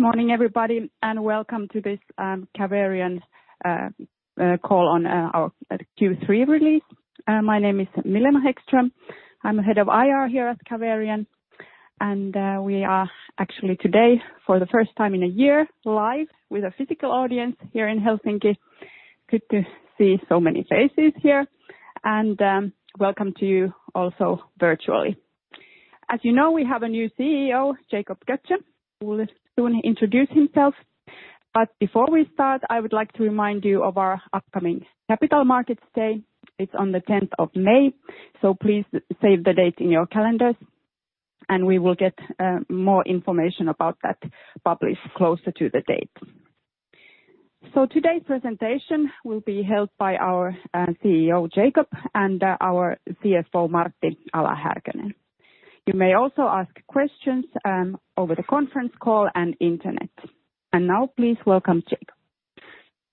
Good morning, everybody, and welcome to this Caverion call on our Q3 release. My name is Milena Hæggström. I'm head of IR here at Caverion. We are actually today, for the first time in a year, live with a physical audience here in Helsinki. Good to see so many faces here and welcome to you also virtually. As you know, we have a new CEO, Jacob Götzsche. He will soon introduce himself. Before we start, I would like to remind you of our upcoming capital markets day. It's on the tenth of May, so please save the date in your calendars, and we will get more information about that published closer to the date. Today's presentation will be held by our CEO, Jacob, and our CFO, Martti Ala-Härkönen. You may also ask questions over the conference call and internet. Now please welcome Jacob.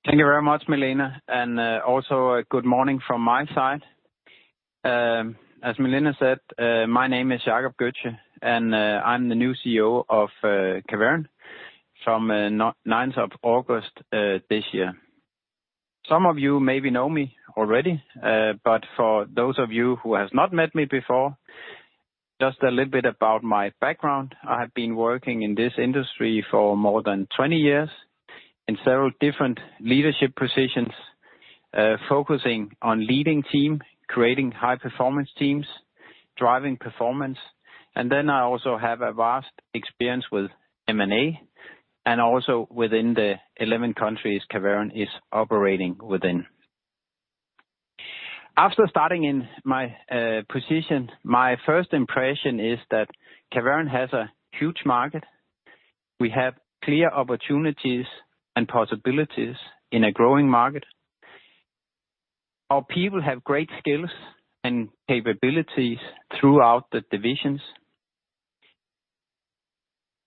Thank you very much, Milena, and also good morning from my side. As Milena said, my name is Jacob Götzsche, and I'm the new CEO of Caverion from ninth of August this year. Some of you maybe know me already, but for those of you who has not met me before, just a little bit about my background. I have been working in this industry for more than 20 years in several different leadership positions, focusing on leading team, creating high performance teams, driving performance. I also have a vast experience with M&A, and also within the 11 countries Caverion is operating within. After starting in my position, my first impression is that Caverion has a huge market. We have clear opportunities and possibilities in a growing market. Our people have great skills and capabilities throughout the divisions.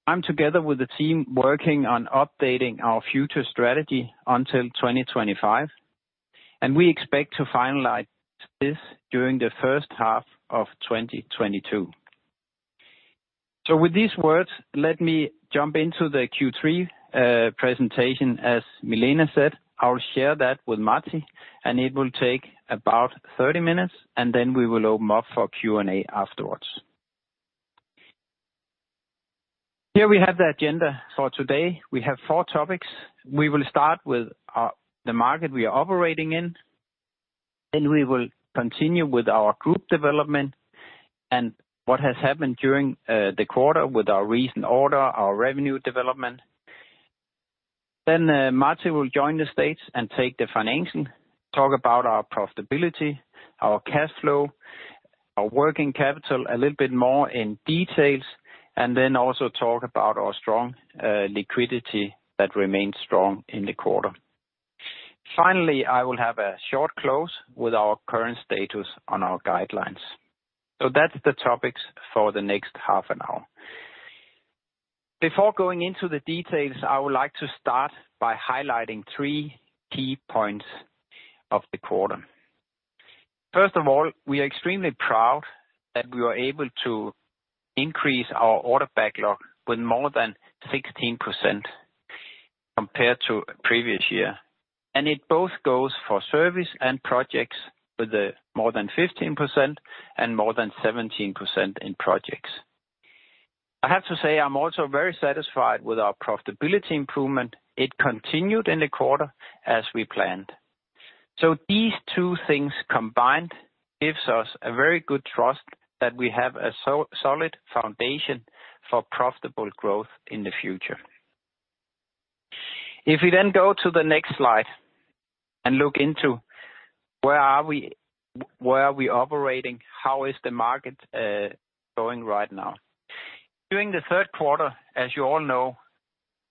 I'm together with the team, working on updating our future strategy until 2025, and we expect to finalize this during the first half of 2022. With these words, let me jump into the Q3 presentation. As Milena said, I'll share that with Martti, and it will take about 30 minutes, and then we will open up for Q&A afterwards. Here we have the agenda for today. We have four topics. We will start with the market we are operating in, then we will continue with our group development and what has happened during the quarter with our recent order, our revenue development. Then Martti will join the stage and take the financial, talk about our profitability, our cash flow, our working capital, a little bit more in details, and then also talk about our strong liquidity that remains strong in the quarter. Finally, I will have a short close with our current status on our guidelines. That's the topics for the next half an hour. Before going into the details, I would like to start by highlighting three key points of the quarter. First of all, we are extremely proud that we are able to increase our order backlog with more than 16% compared to previous year. It both goes for service and projects, with more than 15% and more than 17% in projects. I have to say I'm also very satisfied with our profitability improvement. It continued in the quarter as we planned. These two things combined gives us a very good trust that we have a solid foundation for profitable growth in the future. If we then go to the next slide and look into where are we operating? How is the market going right now? During the third quarter, as you all know,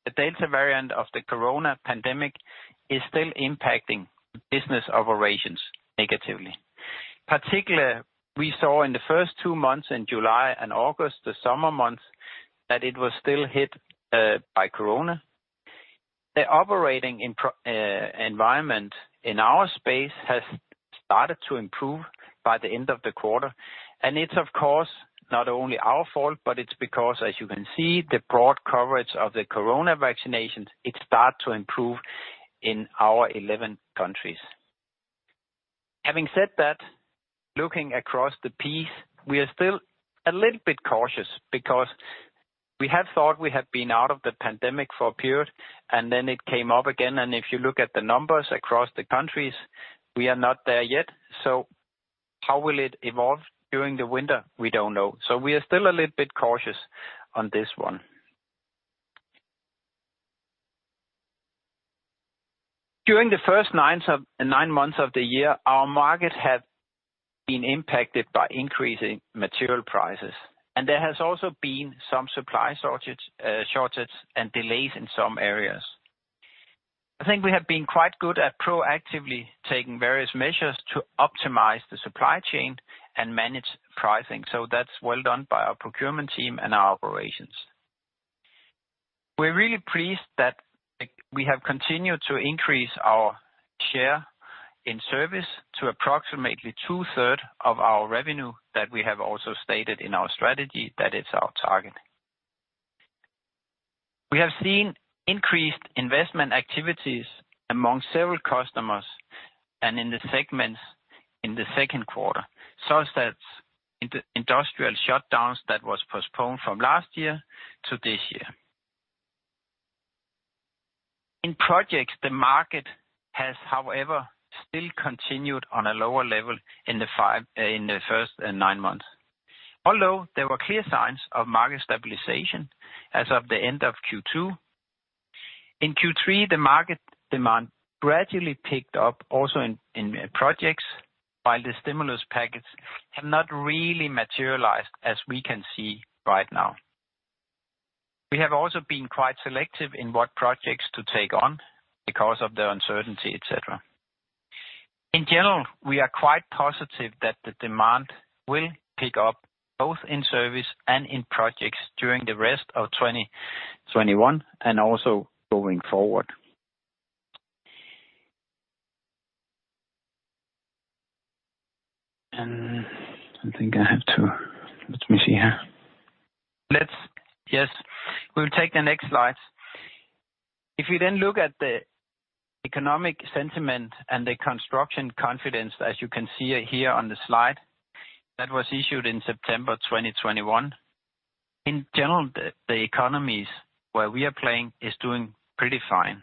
the Delta variant of the corona pandemic is still impacting business operations negatively. Particularly, we saw in the first two months, in July and August, the summer months, that it was still hit by corona. The operating environment in our space has started to improve by the end of the quarter. It's of course not only our fault, but it's because, as you can see, the broad coverage of the corona vaccinations, it start to improve in our 11 countries. Having said that, looking across the board, we are still a little bit cautious because we had thought we had been out of the pandemic for a period, and then it came up again. If you look at the numbers across the countries, we are not there yet. How will it evolve during the winter? We don't know. We are still a little bit cautious on this one. During the first nine months of the year, our market had been impacted by increasing material prices, and there has also been some supply shortages and delays in some areas. I think we have been quite good at proactively taking various measures to optimize the supply chain and manage pricing. That's well done by our procurement team and our operations. We're really pleased. We have continued to increase our share in service to approximately 2/3 of our revenue that we have also stated in our strategy that is our target. We have seen increased investment activities among several customers and in the segments in the second quarter, such as in the industrial shutdowns that was postponed from last year to this year. In projects, the market has, however, still continued on a lower level in the first nine months. Although there were clear signs of market stabilization as of the end of Q2. In Q3, the market demand gradually picked up also in projects, while the stimulus packages have not really materialized as we can see right now. We have also been quite selective in what projects to take on because of the uncertainty, et cetera. In general, we are quite positive that the demand will pick up both in service and in projects during the rest of 2021, and also going forward. I think I have to. We'll take the next slide. If you then look at the economic sentiment and the construction confidence, as you can see here on the slide, that was issued in September 2021. In general, the economies where we are playing is doing pretty fine.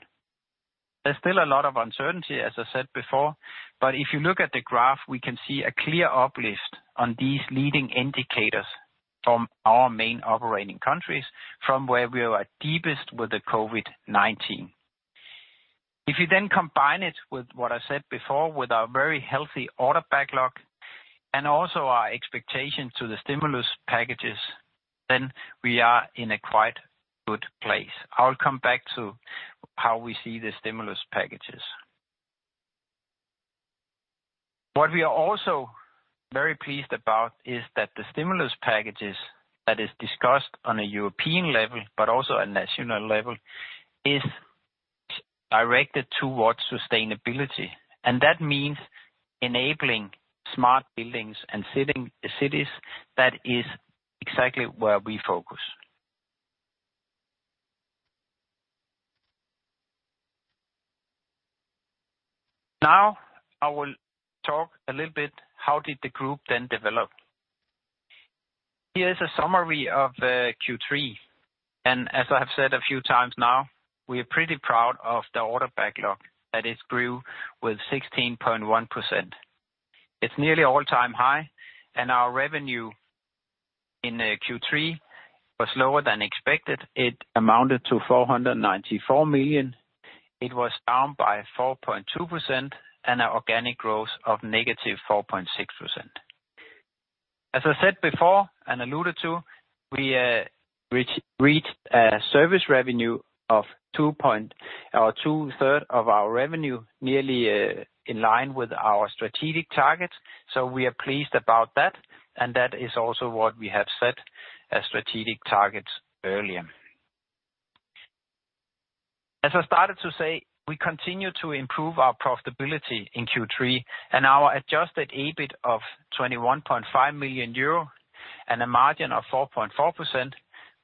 There's still a lot of uncertainty, as I said before, but if you look at the graph, we can see a clear uplift on these leading indicators from our main operating countries from where we were at deepest with the COVID-19. If you then combine it with what I said before, with our very healthy order backlog and also our expectation to the stimulus packages, then we are in a quite good place. I'll come back to how we see the stimulus packages. What we are also very pleased about is that the stimulus packages that is discussed on a European level, but also a national level, is directed towards sustainability. That means enabling smart buildings and smart cities, that is exactly where we focus. Now, I will talk a little bit, how did the group then develop. Here is a summary of Q3. As I have said a few times now, we are pretty proud of the order backlog that it grew with 16.1%. It's nearly all-time high, and our revenue in Q3 was lower than expected. It amounted to 494 million. It was down by 4.2% and an organic growth of -4.6%. As I said before, and alluded to, we reached a service revenue of 2/3 of our revenue, nearly in line with our strategic targets. We are pleased about that, and that is also what we have set as strategic targets earlier. As I started to say, we continue to improve our profitability in Q3, and our adjusted EBIT of 21.5 million euro and a margin of 4.4%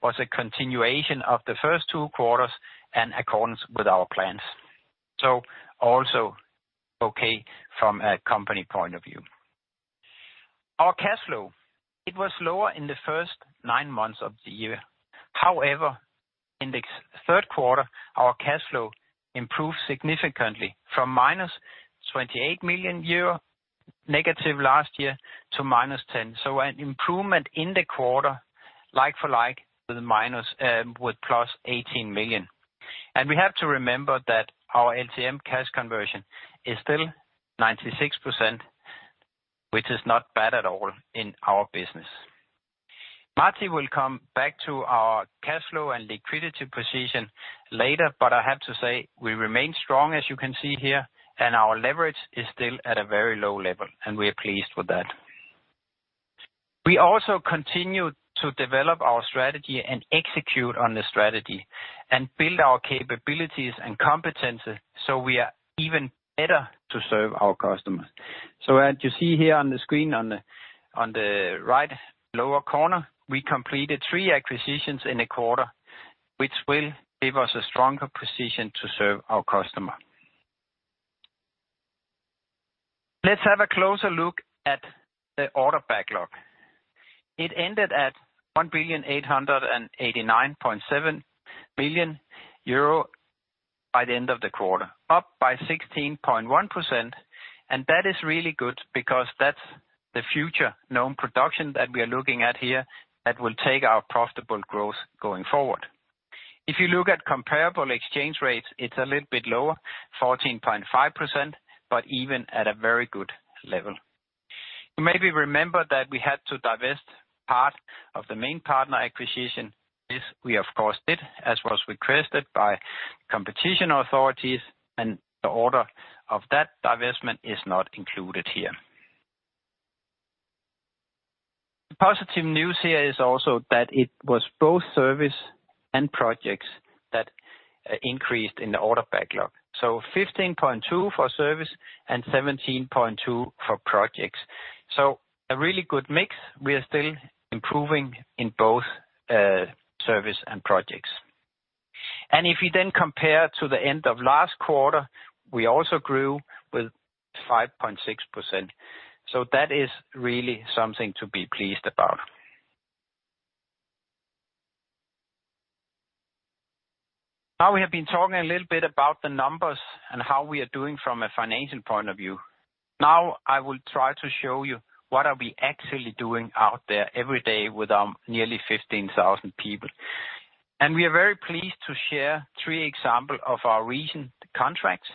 was a continuation of the first two quarters in accordance with our plans. Also okay from a company point of view. Our cash flow, it was lower in the first nine months of the year. However, in the third quarter, our cash flow improved significantly from -28 million euro negative last year to minus 10. An improvement in the quarter, like for like, with a minus, with +18 million. We have to remember that our LTM cash conversion is still 96%, which is not bad at all in our business. Martti will come back to our cash flow and liquidity position later, but I have to say we remain strong, as you can see here, and our leverage is still at a very low level, and we are pleased with that. We also continue to develop our strategy and execute on the strategy and build our capabilities and competencies so we are even better to serve our customers. As you see here on the screen on the right lower corner, we completed three acquisitions in a quarter, which will give us a stronger position to serve our customer. Let's have a closer look at the order backlog. It ended at 1,889.7 million euro by the end of the quarter, up by 16.1%. That is really good because that's the future known production that we are looking at here that will take our profitable growth going forward. If you look at comparable exchange rates, it's a little bit lower, 14.5%, but even at a very good level. You maybe remember that we had to divest part of the Maintpartner acquisition. This we of course did, as was requested by competition authorities, and the order of that divestment is not included here. The positive news here is also that it was both service and projects that increased in the order backlog. 15.2 for service and 17.2 for projects. A really good mix. We are still improving in both service and projects. If you then compare to the end of last quarter, we also grew with 5.6%. That is really something to be pleased about. Now we have been talking a little bit about the numbers and how we are doing from a financial point of view. Now I will try to show you what are we actually doing out there every day with our nearly 15,000 people. We are very pleased to share three example of our recent contracts.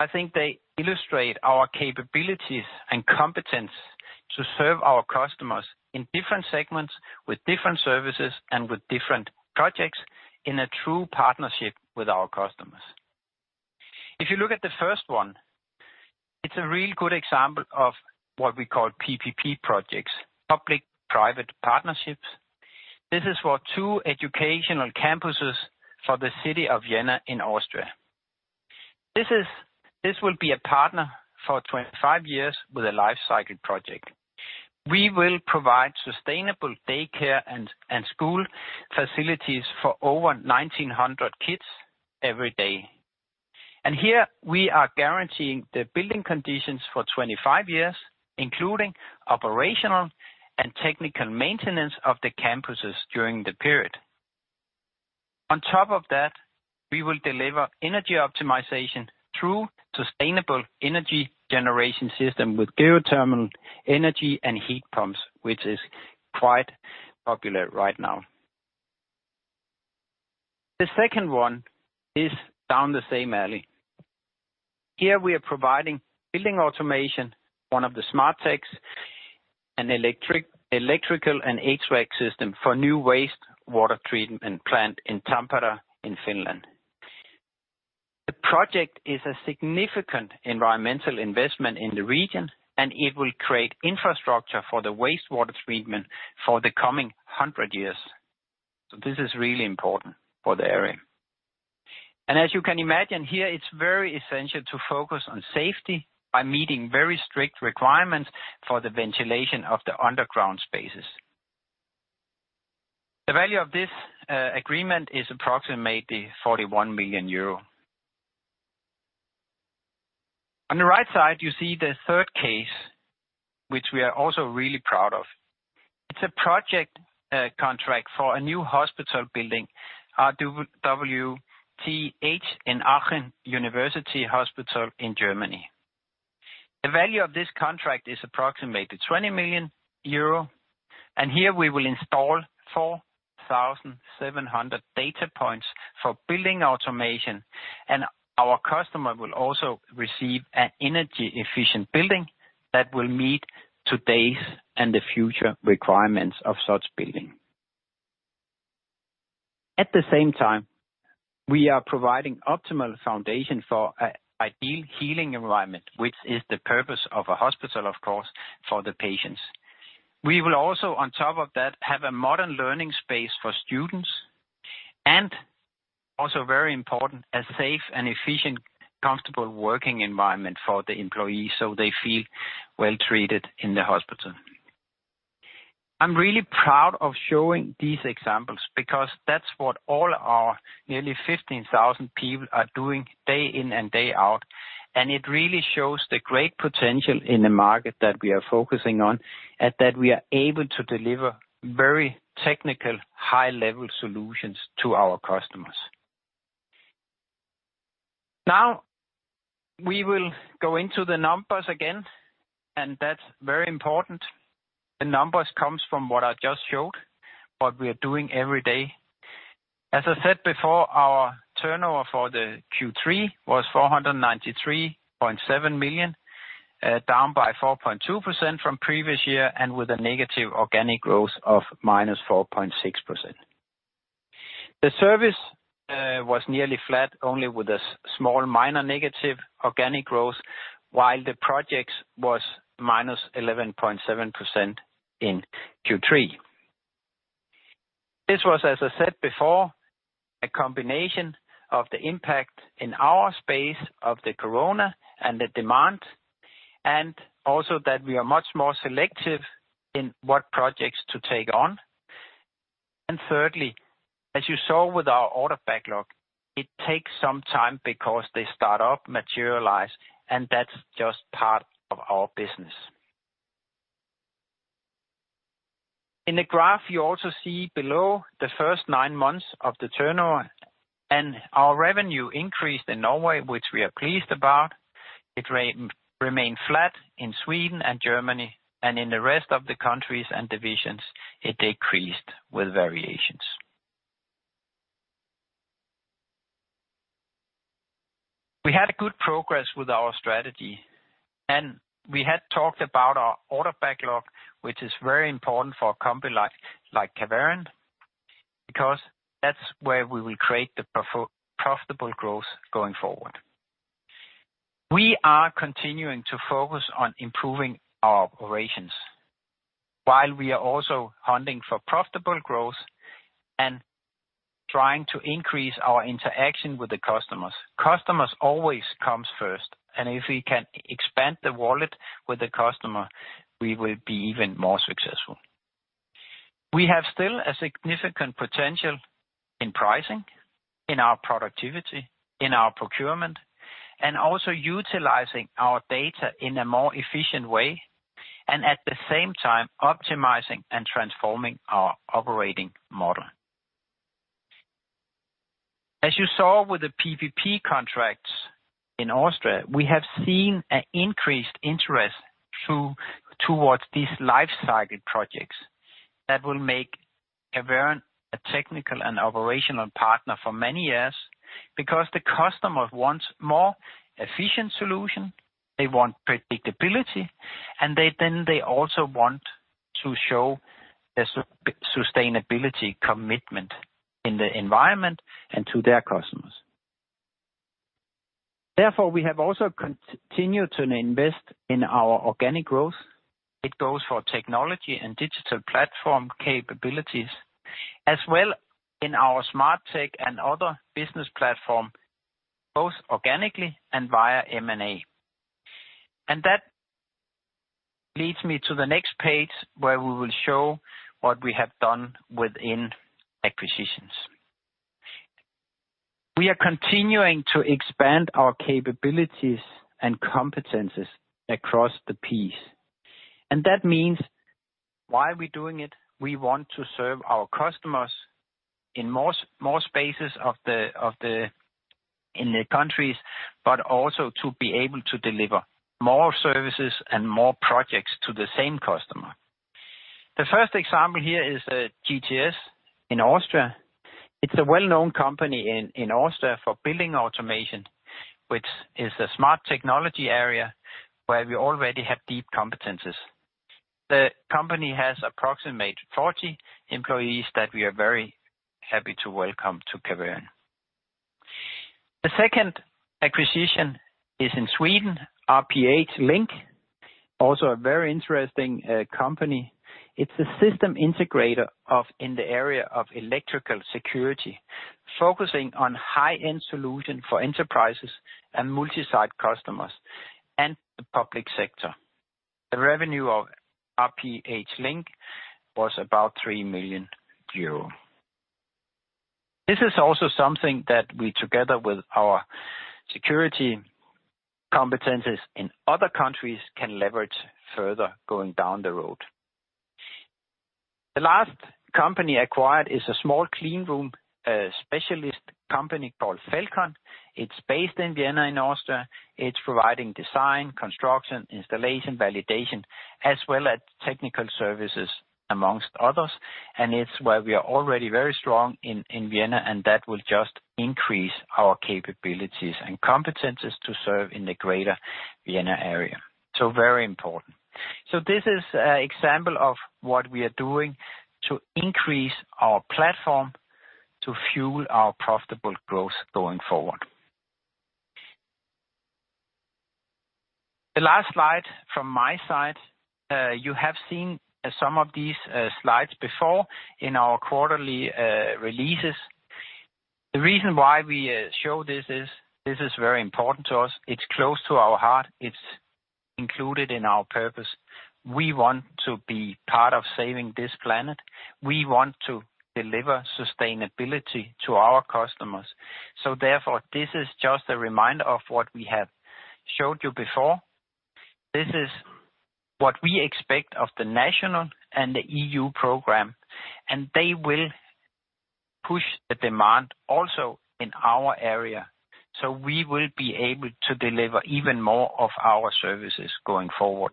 I think they illustrate our capabilities and competence to serve our customers in different segments, with different services, and with different projects in a true partnership with our customers. If you look at the first one, it's a real good example of what we call PPP projects, public-private partnerships. This is for two educational campuses for the city of Vienna in Austria. This will be a partner for 25 years with a life cycle project. We will provide sustainable daycare and school facilities for over 1,900 kids every day. Here we are guaranteeing the building conditions for 25 years, including operational and technical maintenance of the campuses during the period. On top of that, we will deliver energy optimization through sustainable energy generation system with geothermal energy and heat pumps, which is quite popular right now. The second one is down the same alley. Here we are providing building automation, one of the smart techs, an electrical and HVAC system for new wastewater treatment plant in Tampere in Finland. The project is a significant environmental investment in the region, and it will create infrastructure for the wastewater treatment for the coming 100 years. This is really important for the area. As you can imagine here, it's very essential to focus on safety by meeting very strict requirements for the ventilation of the underground spaces. The value of this agreement is approximately EUR 41 million. On the right side, you see the third case, which we are also really proud of. It's a project contract for a new hospital building, RWTH Aachen University Hospital in Germany. The value of this contract is approximately 20 million euro, and here we will install 4,700 data points for building automation. Our customer will also receive an energy-efficient building that will meet today's and the future requirements of such building. At the same time, we are providing optimal foundation for ideal healing environment, which is the purpose of a hospital, of course, for the patients. We will also, on top of that, have a modern learning space for students and also very important, a safe and efficient, comfortable working environment for the employees, so they feel well treated in the hospital. I'm really proud of showing these examples because that's what all our nearly 15,000 people are doing day in and day out. It really shows the great potential in the market that we are focusing on, and that we are able to deliver very technical high-level solutions to our customers. Now, we will go into the numbers again, and that's very important. The numbers comes from what I just showed, what we are doing every day. As I said before, our turnover for the Q3 was 493.7 million, down by 4.2% from previous year and with a negative organic growth of -4.6%. The service was nearly flat, only with a small minor negative organic growth, while the projects was -11.7% in Q3. This was, as I said before, a combination of the impact in our space of the corona and the demand, and also that we are much more selective in what projects to take on. Thirdly, as you saw with our order backlog, it takes some time because they start up, materialize, and that's just part of our business. In the graph, you also see below the first nine months of the turnover and our revenue increased in Norway, which we are pleased about. It remained flat in Sweden and Germany, and in the rest of the countries and divisions, it decreased with variations. We had a good progress with our strategy, and we had talked about our order backlog, which is very important for a company like Caverion, because that's where we will create the profitable growth going forward. We are continuing to focus on improving our operations, while we are also hunting for profitable growth and trying to increase our interaction with the customers. Customers always comes first, and if we can expand the wallet with the customer, we will be even more successful. We have still a significant potential in pricing, in our productivity, in our procurement, and also utilizing our data in a more efficient way, and at the same time optimizing and transforming our operating model. As you saw with the PPP contracts in Austria, we have seen an increased interest towards these life cycle projects that will make Caverion a technical and operational partner for many years. Because the customer wants more efficient solution, they want predictability, and they also want to show a sustainability commitment in the environment and to their customers. Therefore, we have also continued to invest in our organic growth. It goes for technology and digital platform capabilities, as well in our smart tech and other business platform, both organically and via M&A. That leads me to the next page, where we will show what we have done within acquisitions. We are continuing to expand our capabilities and competencies across the piece. That means, why are we doing it? We want to serve our customers in more spaces in the countries, but also to be able to deliver more services and more projects to the same customer. The first example here is GTS in Austria. It's a well-known company in Austria for building automation, which is a smart technology area where we already have deep competencies. The company has approximately 40 employees that we are very happy to welcome to Caverion. The second acquisition is in Sweden, RPH Linc, also a very interesting company. It's a system integrator in the area of electrical security, focusing on high-end solution for enterprises and multi-site customers and the public sector. The revenue of RPH Linc was about 3 million euro. This is also something that we, together with our security competencies in other countries, can leverage further going down the road. The last company acquired is a small clean room specialist company called Felcon. It's based in Vienna in Austria. It's providing design, construction, installation, validation, as well as technical services among others. It's where we are already very strong in Vienna, and that will just increase our capabilities and competencies to serve in the greater Vienna area. Very important. This is an example of what we are doing to increase our platform to fuel our profitable growth going forward. The last slide from my side, you have seen some of these slides before in our quarterly releases. The reason why we show this is, this is very important to us. It's close to our heart. It's included in our purpose. We want to be part of saving this planet. We want to deliver sustainability to our customers. Therefore, this is just a reminder of what we have showed you before. This is what we expect of the national and the EU program, and they will push the demand also in our area, so we will be able to deliver even more of our services going forward.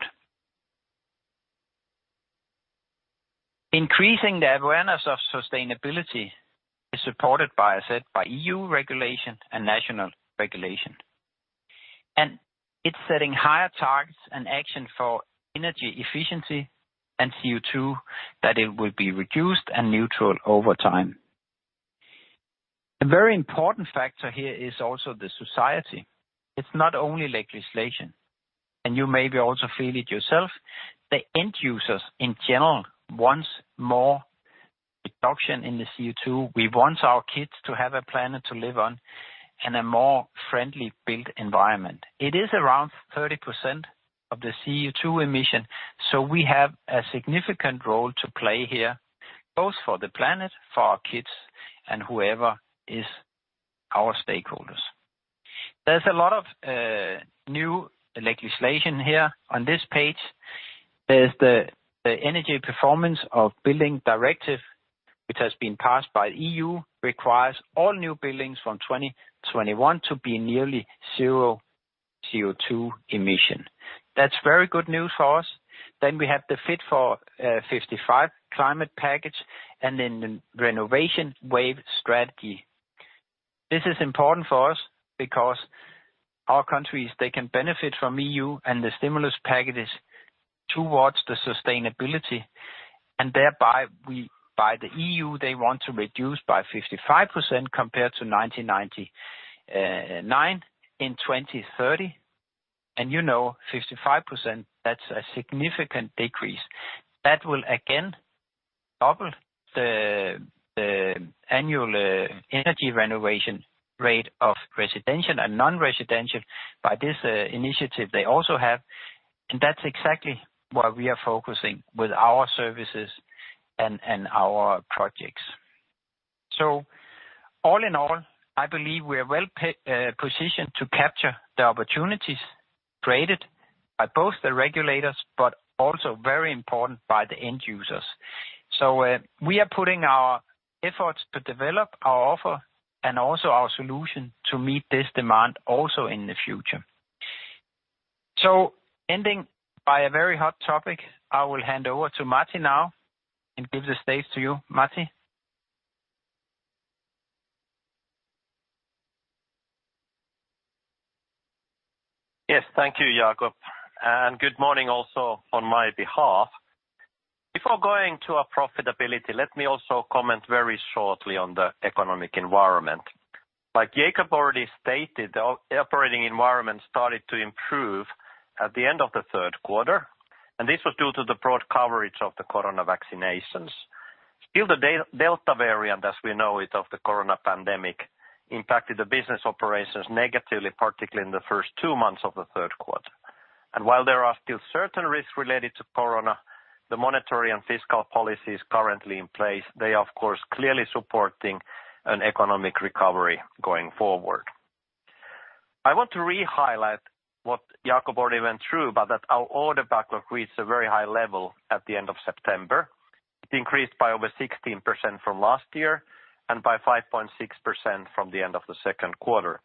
Increasing the awareness of sustainability is supported by, I said, by EU regulation and national regulation. It's setting higher targets and action for energy efficiency and CO2, that it will be reduced and neutral over time. A very important factor here is also the society. It's not only legislation, and you maybe also feel it yourself. The end users in general wants more reduction in the CO2. We want our kids to have a planet to live on and a more friendly built environment. It is around 30% of the CO2 emission, so we have a significant role to play here, both for the planet, for our kids, and whoever is our stakeholders. There's a lot of new legislation here on this page. There's the Energy Performance of Buildings Directive, which has been passed by EU, requires all new buildings from 2021 to be nearly zero CO2 emission. That's very good news for us. Then we have the Fit for 55 climate package and then the Renovation Wave Strategy. This is important for us because our countries, they can benefit from EU and the stimulus packages towards the sustainability, and thereby we, by the EU, they want to reduce by 55% compared to 1999 in 2030. You know 55%, that's a significant decrease. That will again double the annual energy renovation rate of residential and non-residential by this initiative they also have. That's exactly what we are focusing with our services and our projects. All in all, I believe we are well positioned to capture the opportunities created by both the regulators, but also very important by the end users. We are putting our efforts to develop our offer and also our solution to meet this demand also in the future. Ending by a very hot topic, I will hand over to Martti now and give the stage to you, Martti. Yes, thank you, Jacob, and good morning also on my behalf. Before going to our profitability, let me also comment very shortly on the economic environment. Like Jacob already stated, the operating environment started to improve at the end of the third quarter, and this was due to the broad coverage of the COVID-19 vaccinations. Still the Delta variant, as we know it, of the COVID-19 pandemic impacted the business operations negatively, particularly in the first two months of the third quarter. While there are still certain risks related to COVID, the monetary and fiscal policies currently in place, they are of course clearly supporting an economic recovery going forward. I want to re-highlight what Jacob already went through, but that our order backlog reached a very high level at the end of September. It increased by over 16% from last year and by 5.6% from the end of the second quarter.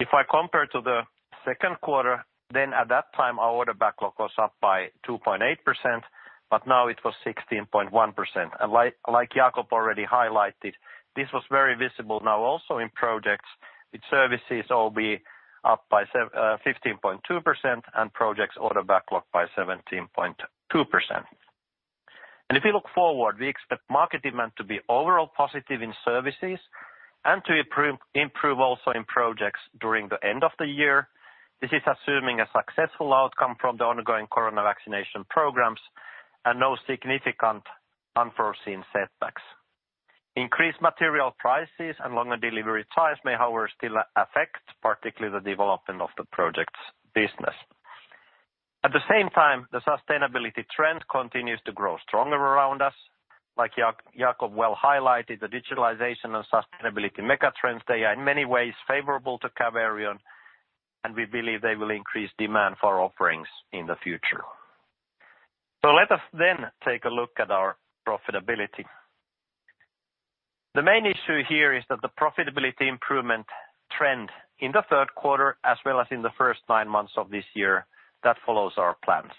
If I compare to the second quarter, then at that time, our order backlog was up by 2.8%, but now it was 16.1%. Like Jacob already highlighted, this was very visible now also in projects with services OB up by 15.2% and projects order backlog by 17.2%. If you look forward, we expect market demand to be overall positive in services and to improve also in projects during the end of the year. This is assuming a successful outcome from the ongoing COVID vaccination programs and no significant unforeseen setbacks. Increased material prices and longer delivery times may, however, still affect particularly the development of the projects business. At the same time, the sustainability trend continues to grow stronger around us. Like Jacob well highlighted, the digitalization and sustainability mega trends, they are in many ways favorable to Caverion, and we believe they will increase demand for our offerings in the future. Let us then take a look at our profitability. The main issue here is that the profitability improvement trend in the third quarter, as well as in the first nine months of this year, that follows our plans.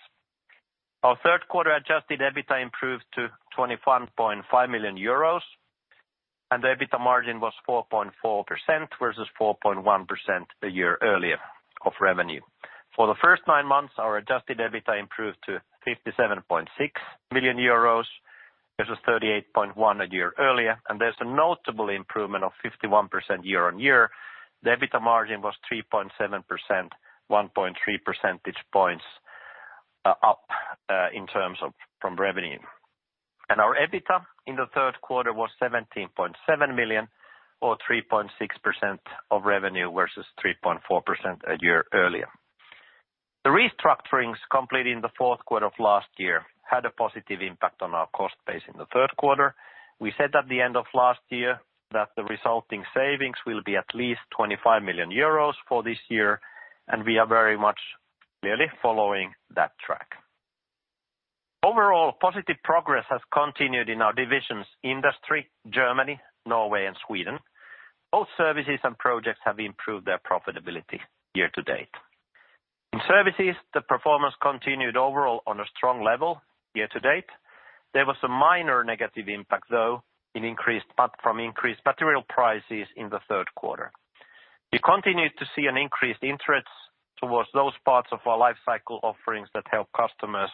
Our third quarter adjusted EBITDA improved to 21.5 million euros, and the EBITDA margin was 4.4% versus 4.1% a year earlier of revenue. For the first nine months, our adjusted EBITDA improved to 57.6 million euros versus 38.1 million a year earlier. There's a notable improvement of 51% year-on-year. The EBITDA margin was 3.7%, 1.3 percentage points up in terms of from revenue. Our EBITDA in the third quarter was 17.7 million or 3.6% of revenue versus 3.4% a year earlier. The restructurings completed in the fourth quarter of last year had a positive impact on our cost base in the third quarter. We said at the end of last year that the resulting savings will be at least 25 million euros for this year, and we are very much clearly following that track. Overall, positive progress has continued in our divisions Industry, Germany, Norway and Sweden. Both services and projects have improved their profitability year to date. In services, the performance continued overall on a strong level year to date. There was a minor negative impact, though, from increased material prices in the third quarter. We continued to see an increased interest towards those parts of our life cycle offerings that help customers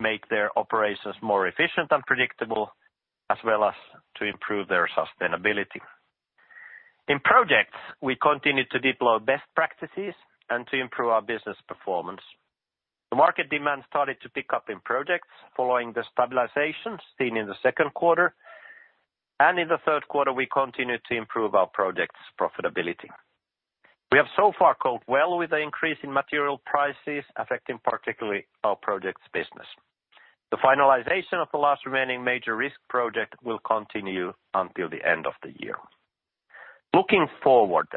make their operations more efficient and predictable, as well as to improve their sustainability. In projects, we continued to deploy best practices and to improve our business performance. The market demand started to pick up in projects following the stabilization seen in the second quarter. In the third quarter, we continued to improve our projects profitability. We have so far coped well with the increase in material prices affecting particularly our projects business. The finalization of the last remaining major risk project will continue until the end of the year. Looking forward,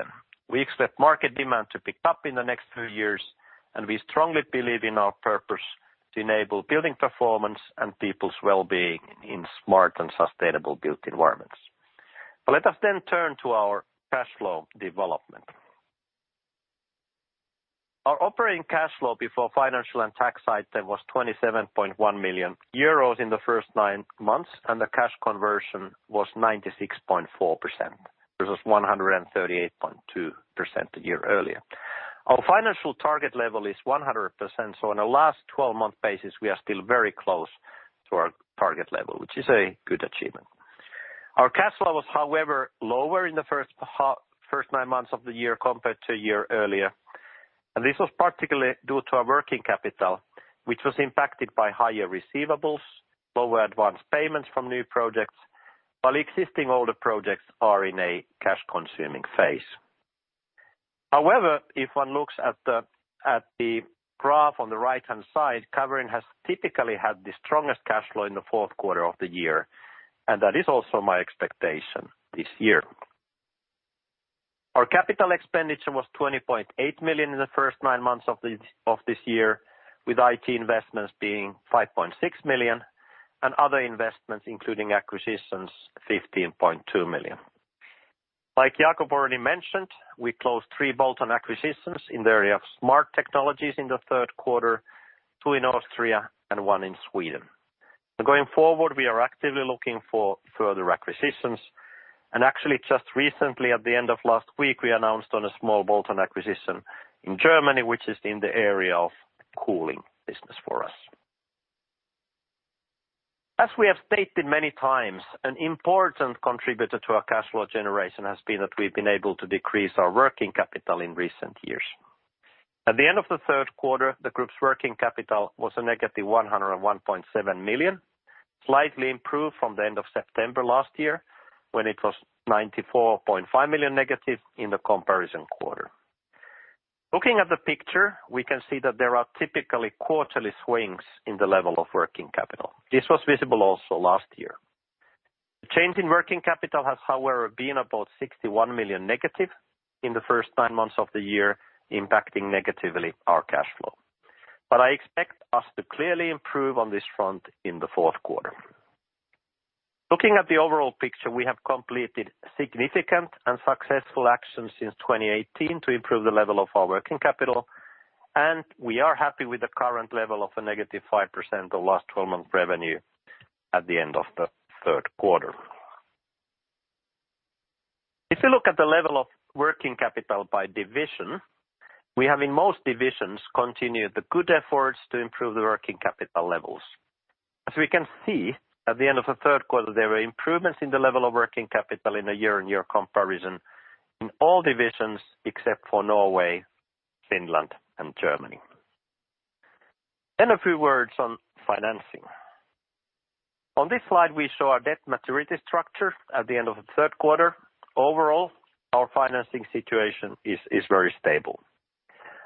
we expect market demand to pick up in the next few years, and we strongly believe in our purpose to enable building performance and people's well-being in smart and sustainable built environments. Let us then turn to our cash flow development. Our operating cash flow before financial and tax item was 27.1 million euros in the first nine months, and the cash conversion was 96.4%. Versus 138.2% a year earlier. Our financial target level is 100%, so on a last 12-month basis, we are still very close to our target level, which is a good achievement. Our cash flow was, however, lower in the first nine months of the year compared to a year earlier. This was particularly due to our working capital, which was impacted by higher receivables, lower advanced payments from new projects, while existing older projects are in a cash-consuming phase. However, if one looks at the graph on the right-hand side, Caverion has typically had the strongest cash flow in the fourth quarter of the year, and that is also my expectation this year. Our capital expenditure was 20.8 million in the first nine months of this year, with IT investments being 5.6 million, and other investments, including acquisitions, 15.2 million. Like Jacob already mentioned, we closed three bolt-on acquisitions in the area of Smart Technologies in the third quarter, two in Austria and one in Sweden. Going forward, we are actively looking for further acquisitions. Actually just recently, at the end of last week, we announced on a small bolt-on acquisition in Germany, which is in the area of cooling business for us. As we have stated many times, an important contributor to our cash flow generation has been that we've been able to decrease our working capital in recent years. At the end of the third quarter, the group's working capital was -101.7 million, slightly improved from the end of September last year when it was -94.5 million in the comparison quarter. Looking at the picture, we can see that there are typically quarterly swings in the level of working capital. This was visible also last year. The change in working capital has, however, been about -61 million in the first nine months of the year, impacting negatively our cash flow. I expect us to clearly improve on this front in the fourth quarter. Looking at the overall picture, we have completed significant and successful actions since 2018 to improve the level of our working capital, and we are happy with the current level of -5% LTM revenue at the end of the third quarter. If you look at the level of working capital by division, we have, in most divisions, continued the good efforts to improve the working capital levels. As we can see, at the end of the third quarter, there were improvements in the level of working capital in a year-on-year comparison in all divisions except for Norway, Finland, and Germany. A few words on financing. On this slide, we show our debt maturity structure at the end of the third quarter. Overall, our financing situation is very stable.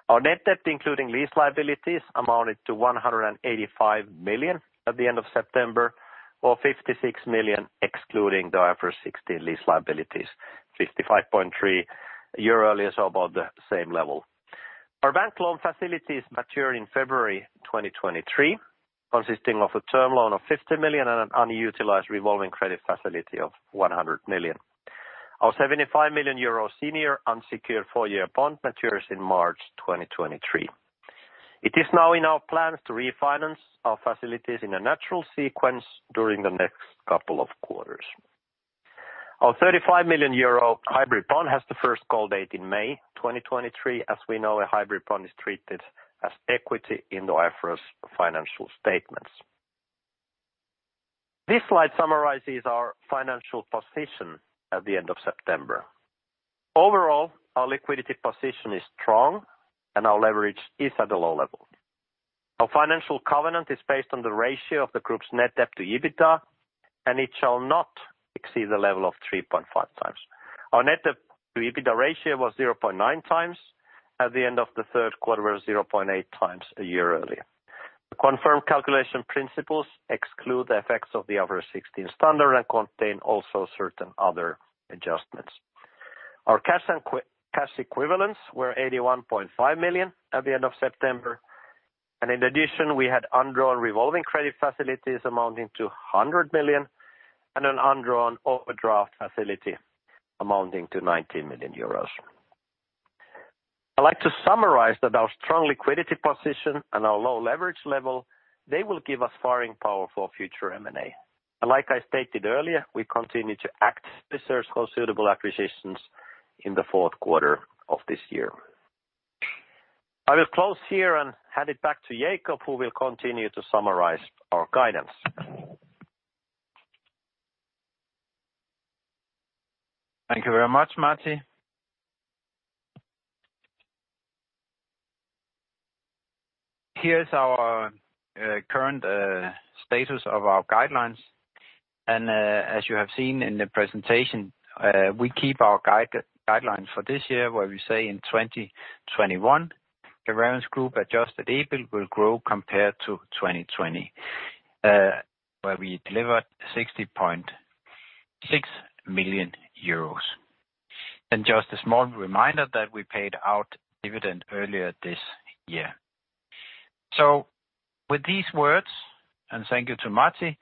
Our net debt, including lease liabilities, amounted to 185 million at the end of September, or 56 million, excluding the IFRS 16 lease liabilities. 55.3 million euro a year earlier, so about the same level. Our bank loan facilities mature in February 2023, consisting of a term loan of 50 million and an unutilized revolving credit facility of 100 million. Our 75 million euro senior unsecured four-year bond matures in March 2023. It is now in our plans to refinance our facilities in a natural sequence during the next couple of quarters. Our 35 million euro hybrid bond has the first call date in May 2023. As we know, a hybrid bond is treated as equity in the IFRS financial statements. This slide summarizes our financial position at the end of September. Overall, our liquidity position is strong, and our leverage is at a low level. Our financial covenant is based on the ratio of the group's net debt to EBITDA, and it shall not exceed the level of 3.5x. Our net debt to EBITDA ratio was 0.9x at the end of the third quarter, 0.8x a year earlier. The confirmed calculation principles exclude the effects of the IFRS 16 standard and contain also certain other adjustments. Our cash and cash equivalents were 81.5 million at the end of September. In addition, we had undrawn revolving credit facilities amounting to 100 million and an undrawn overdraft facility amounting to 90 million euros. I'd like to summarize that our strong liquidity position and our low leverage level, they will give us firing power for future M&A. Like I stated earlier, we continue to actively search for suitable acquisitions in the fourth quarter of this year. I will close here and hand it back to Jacob, who will continue to summarize our guidance. Thank you very much, Martti. Here's our current status of our guidelines. As you have seen in the presentation, we keep our guidelines for this year, where we say in 2021, Caverion's group adjusted EBIT will grow compared to 2020, where we delivered 60.6 million euros. Just a small reminder that we paid out dividend earlier this year. With these words, and thank you to Martti,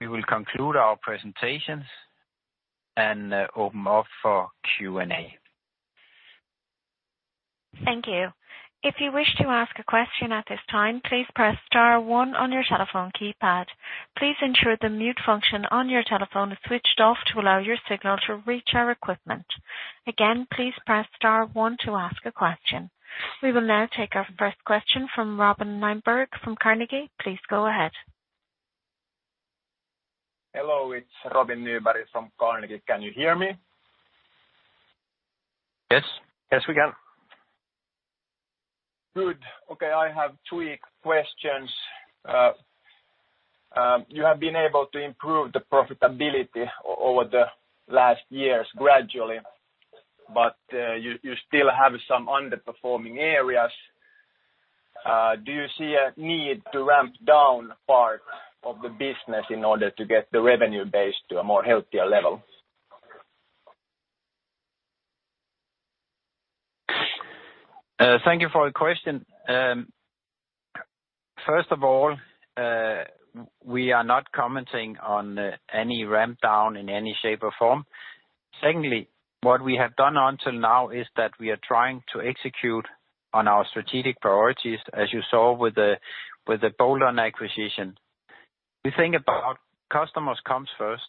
we will conclude our presentations and open up for Q&A. Thank you. If you wish to ask a question at this time, please press star one on your telephone keypad. Please ensure the mute function on your telephone is switched off to allow your signal to reach our equipment. Again, please press star one to ask a question. We will now take our first question from Robin Nyberg from Carnegie. Please go ahead. Hello. It's Robin Nyberg from Carnegie. Can you hear me? Yes. Yes, we can. Good. Okay. I have three questions. You have been able to improve the profitability over the last years gradually, but you still have some underperforming areas. Do you see a need to ramp down part of the business in order to get the revenue base to a more healthier level? Thank you for the question. First of all, we are not commenting on any ramp down in any shape or form. Secondly, what we have done until now is that we are trying to execute on our strategic priorities, as you saw with the bolt-on acquisition. We think about customers comes first.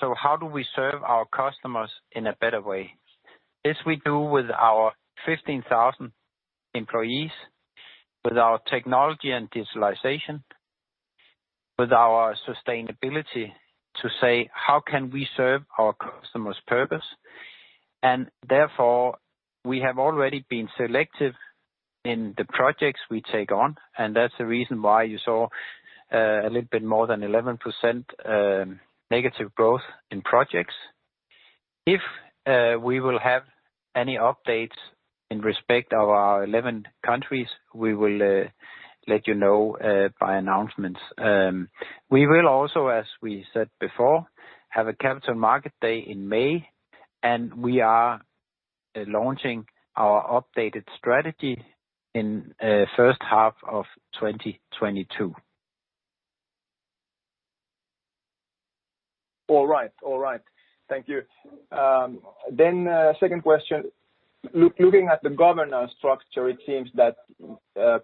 So how do we serve our customers in a better way? This we do with our 15,000 employees, with our technology and digitalization, with our sustainability to say, "How can we serve our customers' purpose?" Therefore, we have already been selective in the projects we take on, and that's the reason why you saw a little bit more than 11% negative growth in projects. If we will have any updates in respect of our 11 countries, we will let you know by announcements. We will also, as we said before, have a capital market day in May, and we are launching our updated strategy in first half of 2022. All right. Thank you. Second question. Looking at the governance structure, it seems that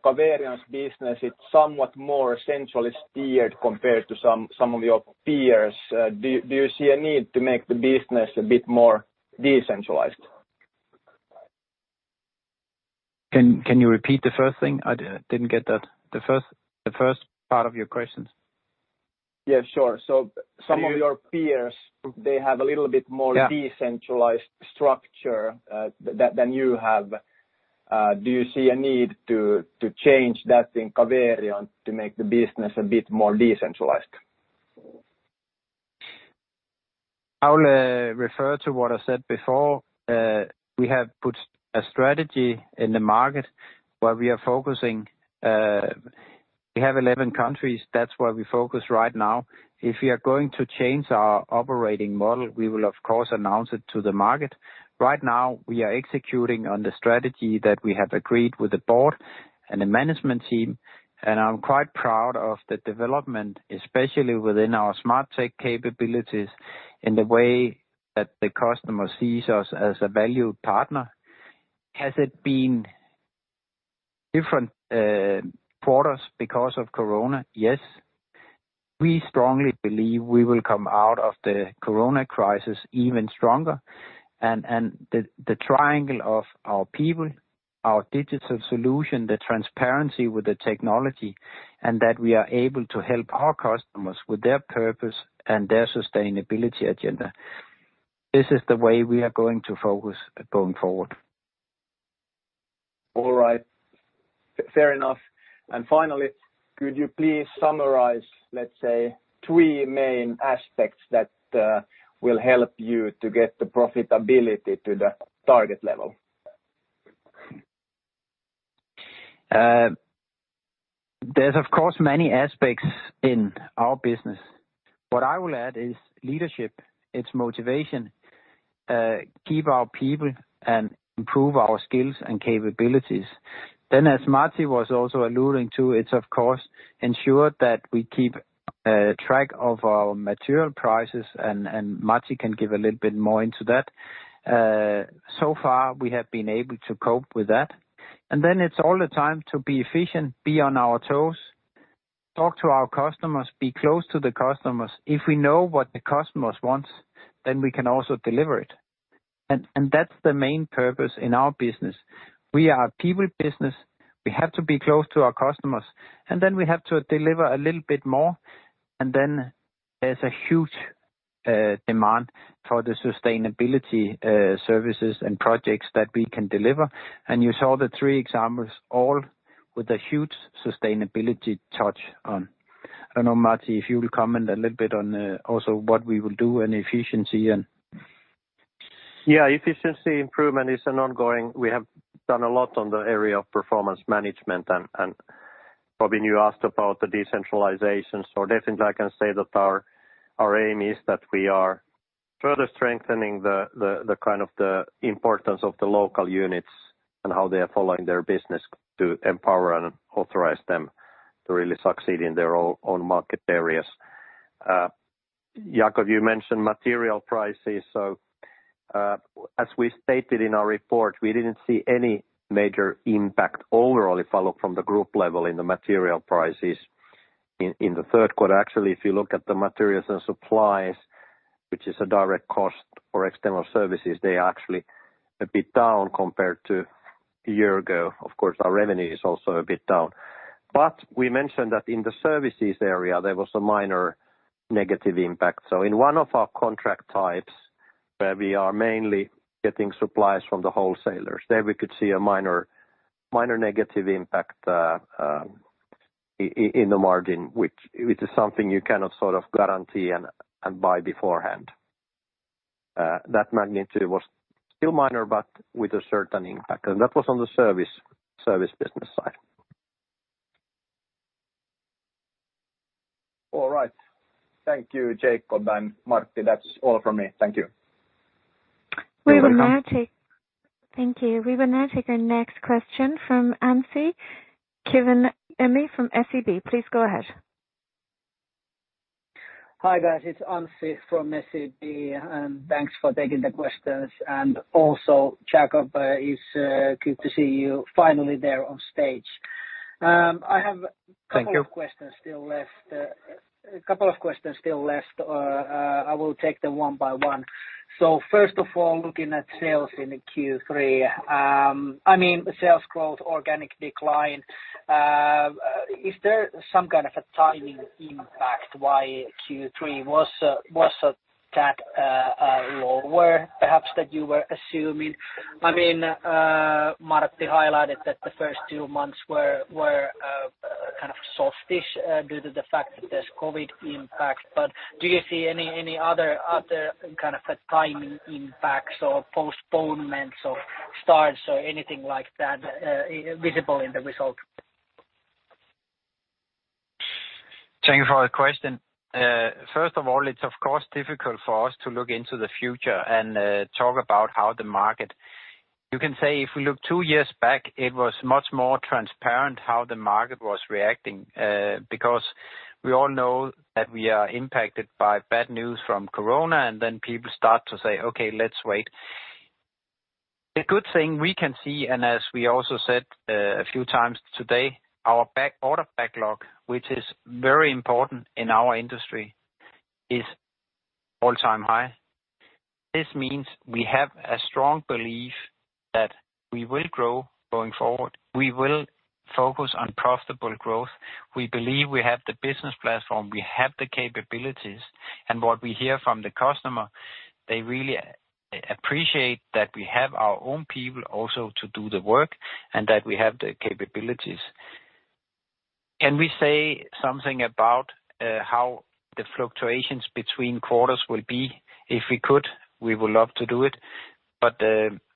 Caverion's business is somewhat more centrally steered compared to some of your peers. Do you see a need to make the business a bit more decentralized? Can you repeat the first thing? I didn't get that, the first part of your questions. Yeah, sure. Some of your peers, they have a little bit more. Yeah. decentralized structure than you have. Do you see a need to change that in Caverion to make the business a bit more decentralized? I'll refer to what I said before. We have put a strategy in the market where we are focusing. We have 11 countries. That's where we focus right now. If we are going to change our operating model, we will of course announce it to the market. Right now, we are executing on the strategy that we have agreed with the board and the management team, and I'm quite proud of the development, especially within our Smart Technologies capabilities in the way that the customer sees us as a valued partner. Has it been different quarters because of corona? Yes. We strongly believe we will come out of the corona crisis even stronger and the triangle of our people, our digital solution, the transparency with the technology, and that we are able to help our customers with their purpose and their sustainability agenda. This is the way we are going to focus going forward. All right. Fair enough. Finally, could you please summarize, let's say, three main aspects that will help you to get the profitability to the target level? There's of course many aspects in our business. What I will add is leadership. It's motivation. Keep our people and improve our skills and capabilities. As Matti was also alluding to, it's of course ensure that we keep track of our material prices, and Matti can give a little bit more into that. So far we have been able to cope with that. It's all the time to be efficient, be on our toes, talk to our customers, be close to the customers. If we know what the customers wants, then we can also deliver it. That's the main purpose in our business. We are a people business. We have to be close to our customers, and then we have to deliver a little bit more. Then there's a huge demand for the sustainability services and projects that we can deliver. You saw the three examples, all with a huge sustainability touch on. I don't know, Martti, if you will comment a little bit on also what we will do in efficiency and. Efficiency improvement is an ongoing. We have done a lot on the area of performance management. Robin, you asked about the decentralization. Definitely I can say that our aim is that we are further strengthening the kind of the importance of the local units and how they are following their business to empower and authorize them to really succeed in their own market areas. Jacob, you mentioned material prices. As we stated in our report, we didn't see any major impact overall as viewed from the group level in the material prices in the third quarter. Actually, if you look at the materials and supplies, which is a direct cost for external services, they are actually a bit down compared to a year ago. Of course, our revenue is also a bit down. We mentioned that in the services area, there was a minor negative impact. In one of our contract types, where we are mainly getting supplies from the wholesalers, there we could see a minor negative impact in the margin, which is something you cannot sort of guarantee and buy beforehand. That magnitude was still minor, but with a certain impact. That was on the service business side. All right. Thank you, Jacob and Martti. That's all from me. Thank you. You're welcome. Thank you. We will now take our next question from Anssi Kiviniemi from SEB. Please go ahead. Hi, guys. It's Anssi from SEB, and thanks for taking the questions, and also, Jacob, it's good to see you finally there on stage. I have- Thank you. A couple of questions still left. I will take them one by one. First of all, looking at sales in Q3, I mean, sales growth, organic decline, is there some kind of a timing impact why Q3 was that lower perhaps that you were assuming? I mean, Martti highlighted that the first two months were kind of softish due to the fact that there's COVID impact. But do you see any other kind of timing impacts or postponements or starts or anything like that visible in the result? Thank you for the question. First of all, it's of course difficult for us to look into the future and talk about how the market. You can say if we look two years back, it was much more transparent how the market was reacting, because we all know that we are impacted by bad news from Corona, and then people start to say, "Okay, let's wait." The good thing we can see, and as we also said a few times today, our order backlog, which is very important in our industry, is all-time high. This means we have a strong belief that we will grow going forward. We will focus on profitable growth. We believe we have the business platform, we have the capabilities, and what we hear from the customer, they really appreciate that we have our own people also to do the work and that we have the capabilities. Can we say something about how the fluctuations between quarters will be? If we could, we would love to do it, but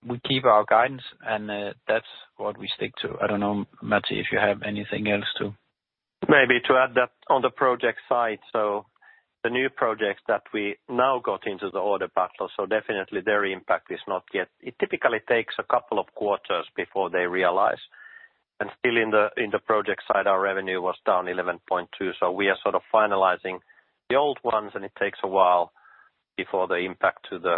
we keep our guidance, and that's what we stick to. I don't know, Martti, if you have anything else to. Maybe to add that on the project side, the new projects that we now got into the order backlog, definitely their impact is not yet. It typically takes a couple of quarters before they materialize. Still in the project side, our revenue was down 11.2%. We are sort of finalizing the old ones, and it takes a while before the impact to the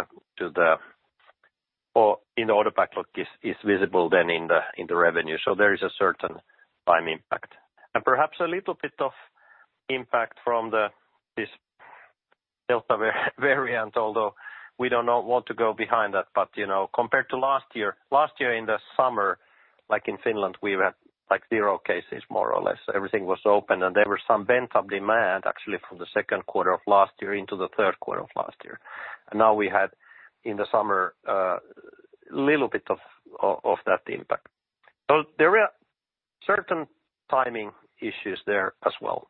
or in the order backlog is visible then in the revenue. There is a certain time impact. Perhaps a little bit of impact from this Delta variant, although we don't want to go into that. You know, compared to last year, in the summer, like in Finland, we had, like, zero cases, more or less. Everything was open, and there were some bend in demand, actually, from the second quarter of last year into the third quarter of last year. Now we had in the summer a little bit of that impact. There are certain timing issues there as well.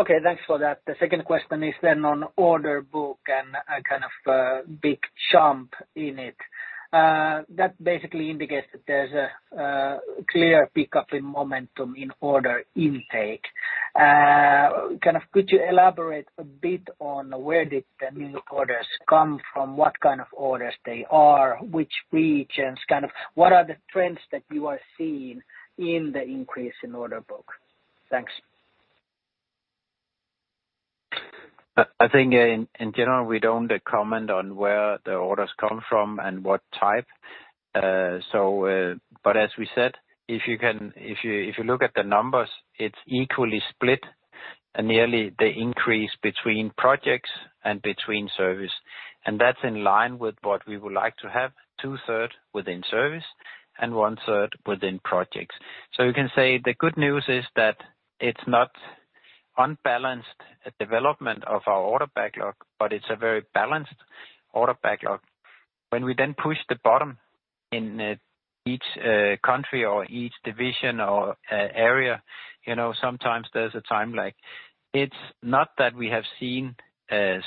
Okay, thanks for that. The second question is then on order book and a kind of big jump in it. That basically indicates that there's a clear pickup in momentum in order intake. Kind of could you elaborate a bit on where did the new orders come from? What kind of orders they are? Which regions? Kind of what are the trends that you are seeing in the increase in order book? Thanks. I think in general, we don't comment on where the orders come from and what type. But as we said, if you look at the numbers, it's equally split, nearly the increase between projects and between service. That's in line with what we would like to have, 2/3 within service and 1/3 within projects. You can say the good news is that it's not unbalanced development of our order backlog, but it's a very balanced order backlog. When we then drill down in each country or each division or area, you know, sometimes it's like it's not that we have seen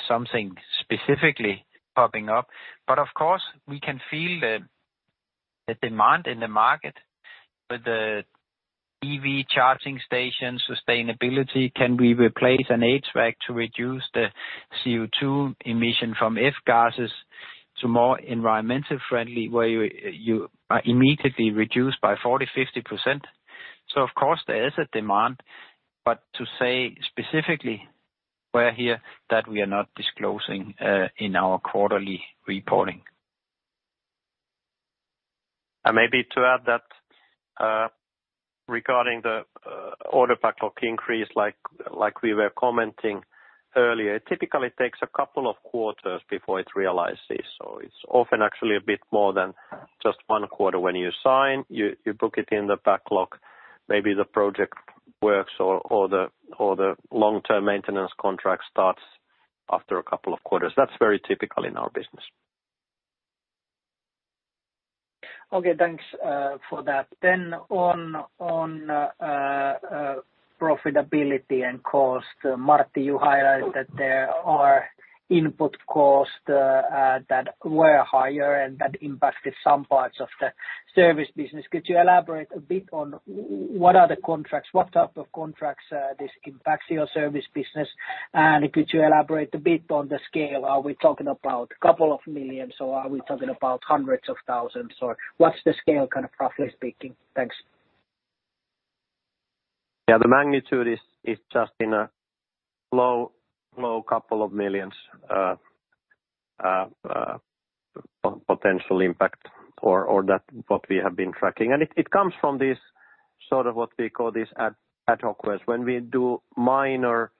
something specifically popping up. Of course, we can feel the demand in the market with the EV charging station, sustainability. Can we replace an HVAC to reduce the CO2 emission from F-gases? To more environmentally friendly, where you are immediately reduced by 40%-50%. Of course there is a demand, but to say specifically where that we are not disclosing in our quarterly reporting. Maybe to add that, regarding the order backlog increase like we were commenting earlier, it typically takes a couple of quarters before it realizes. It's often actually a bit more than just one quarter. When you sign, you book it in the backlog, maybe the project works or the long-term maintenance contract starts after a couple of quarters. That's very typical in our business. Okay, thanks for that. On profitability and cost, Martti, you highlighted that there are input costs that were higher and that impacted some parts of the service business. Could you elaborate a bit on what are the contracts? What type of contracts this impacts your service business? And could you elaborate a bit on the scale? Are we talking about a couple of millions or are we talking about hundreds of thousands, or what's the scale kind of roughly speaking? Thanks. Yeah, the magnitude is just in a low couple of millions, potential impact or that what we have been tracking. It comes from this sort of what we call this ad hoc requests. When we do minor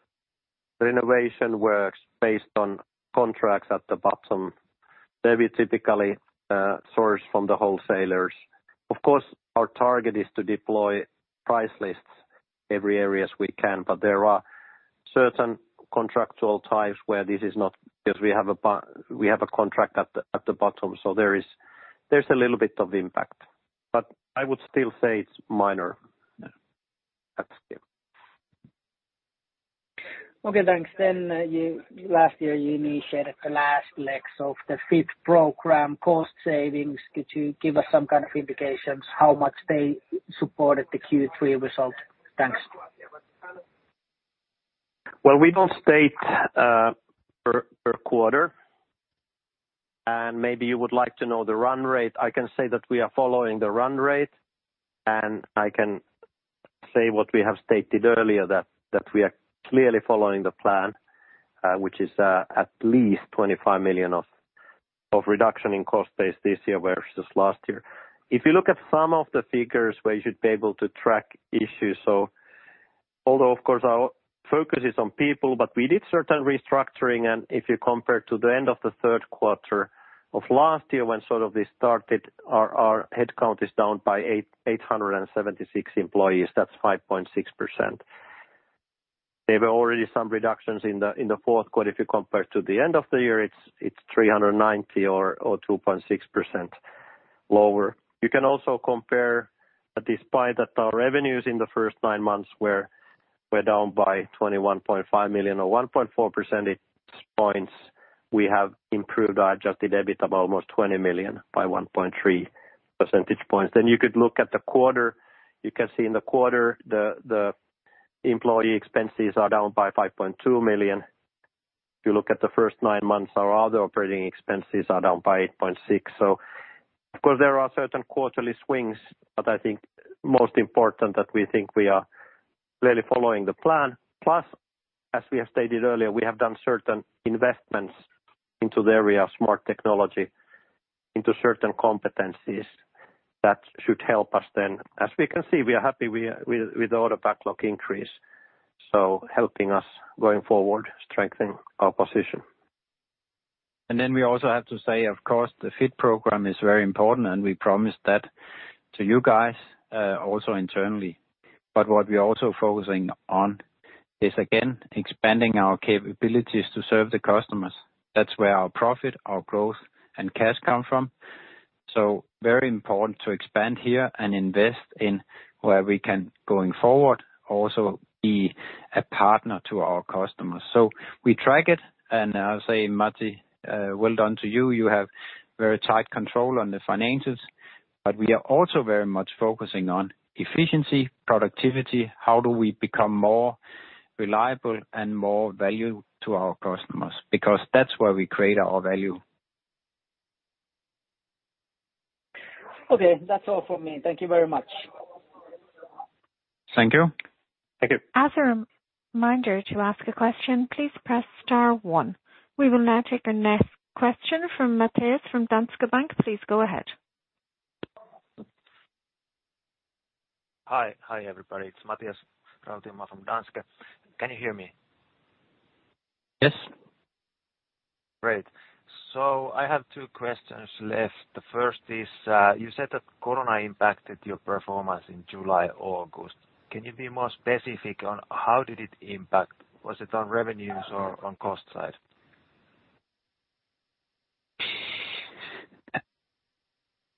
renovation works based on contracts at the bottom, they'll be typically sourced from the wholesalers. Of course, our target is to deploy price lists every areas we can, but there are certain contractual types where this is not because we have a contract at the bottom. There is, there's a little bit of impact, but I would still say it's minor at scale. Last year, you initiated the last legs of the Fit program, cost savings. Could you give us some kind of indications how much they supported the Q3 result? Thanks. Well, we don't state per quarter. Maybe you would like to know the run rate. I can say that we are following the run rate, and I can say what we have stated earlier that we are clearly following the plan, which is at least 25 million of reduction in cost base this year versus last year. If you look at some of the figures where you should be able to track issues, so although of course our focus is on people, but we did certain restructuring, and if you compare to the end of the third quarter of last year when sort of this started our headcount is down by 876 employees, that's 5.6%. There were already some reductions in the fourth quarter. If you compare to the end of the year, it's 390 or 2.6% lower. You can also compare that despite that our revenues in the first nine months were down by 21.5 million or 1.4 percentage points, we have improved our adjusted EBIT by almost 20 million by 1.3 percentage points. You could look at the quarter. You can see in the quarter the employee expenses are down by 5.2 million. If you look at the first nine months, our other operating expenses are down by 8.6 million. Of course, there are certain quarterly swings, but I think most important that we think we are really following the plan. Plus, as we have stated earlier, we have done certain investments into the area of smart technology into certain competencies that should help us then. As we can see, we are happy with the order backlog increase, so helping us going forward, strengthen our position. We also have to say, of course, the Fit program is very important, and we promised that to you guys, also internally. What we're also focusing on is again expanding our capabilities to serve the customers. That's where our profit, our growth, and cash come from. Very important to expand here and invest in where we can going forward, also be a partner to our customers. We track it, and I'll say, Martti, well done to you. You have very tight control on the finances. We are also very much focusing on efficiency, productivity, how do we become more reliable and more value to our customers? Because that's where we create our value. Okay, that's all for me. Thank you very much. Thank you. Thank you. As a reminder to ask a question, please press star one. We will now take the next question from Matias from Danske Bank. Please go ahead. Hi. Hi everybody, it's Matias from Danske. Can you hear me? Yes. Great. I have two questions left. The first is, you said that COVID-19 impacted your performance in July, August. Can you be more specific on how did it impact? Was it on revenues or on cost side?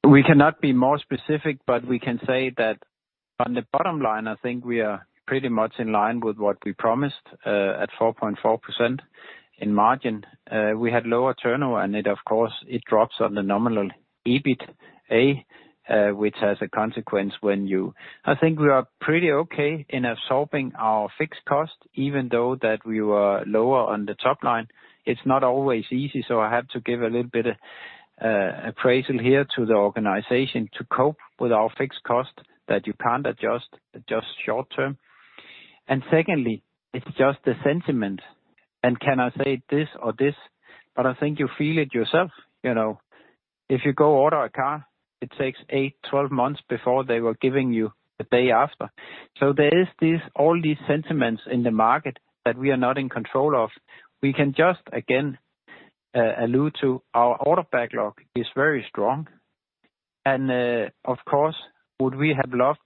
We cannot be more specific, but we can say that on the bottom line, I think we are pretty much in line with what we promised at 4.4% in margin. We had lower turnover, and it of course drops on the nominal EBITA, which has a consequence. I think we are pretty okay in absorbing our fixed cost even though that we were lower on the top line. It's not always easy, so I had to give a little bit of appraisal here to the organization to cope with our fixed cost that you can't adjust short term. Secondly, it's just the sentiment and can I say this or this, but I think you feel it yourself. You know, if you go order a car, it takes eight, 12 months before they were giving you the day after. There is this, all these sentiments in the market that we are not in control of. We can just again allude to our order backlog is very strong. Of course, would we have loved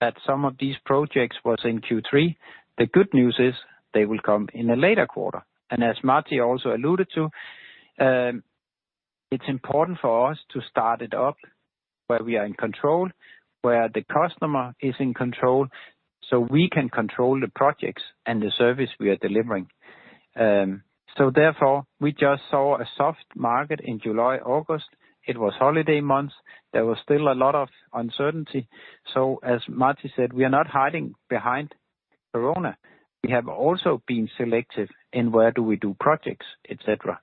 that some of these projects was in Q3. The good news is they will come in a later quarter. As Martti also alluded to, it's important for us to start it up where we are in control, where the customer is in control, so we can control the projects and the service we are delivering. Therefore, we just saw a soft market in July, August. It was holiday months. There was still a lot of uncertainty. As Martti said, we are not hiding behind Corona. We have also been selective in where do we do projects, et cetera.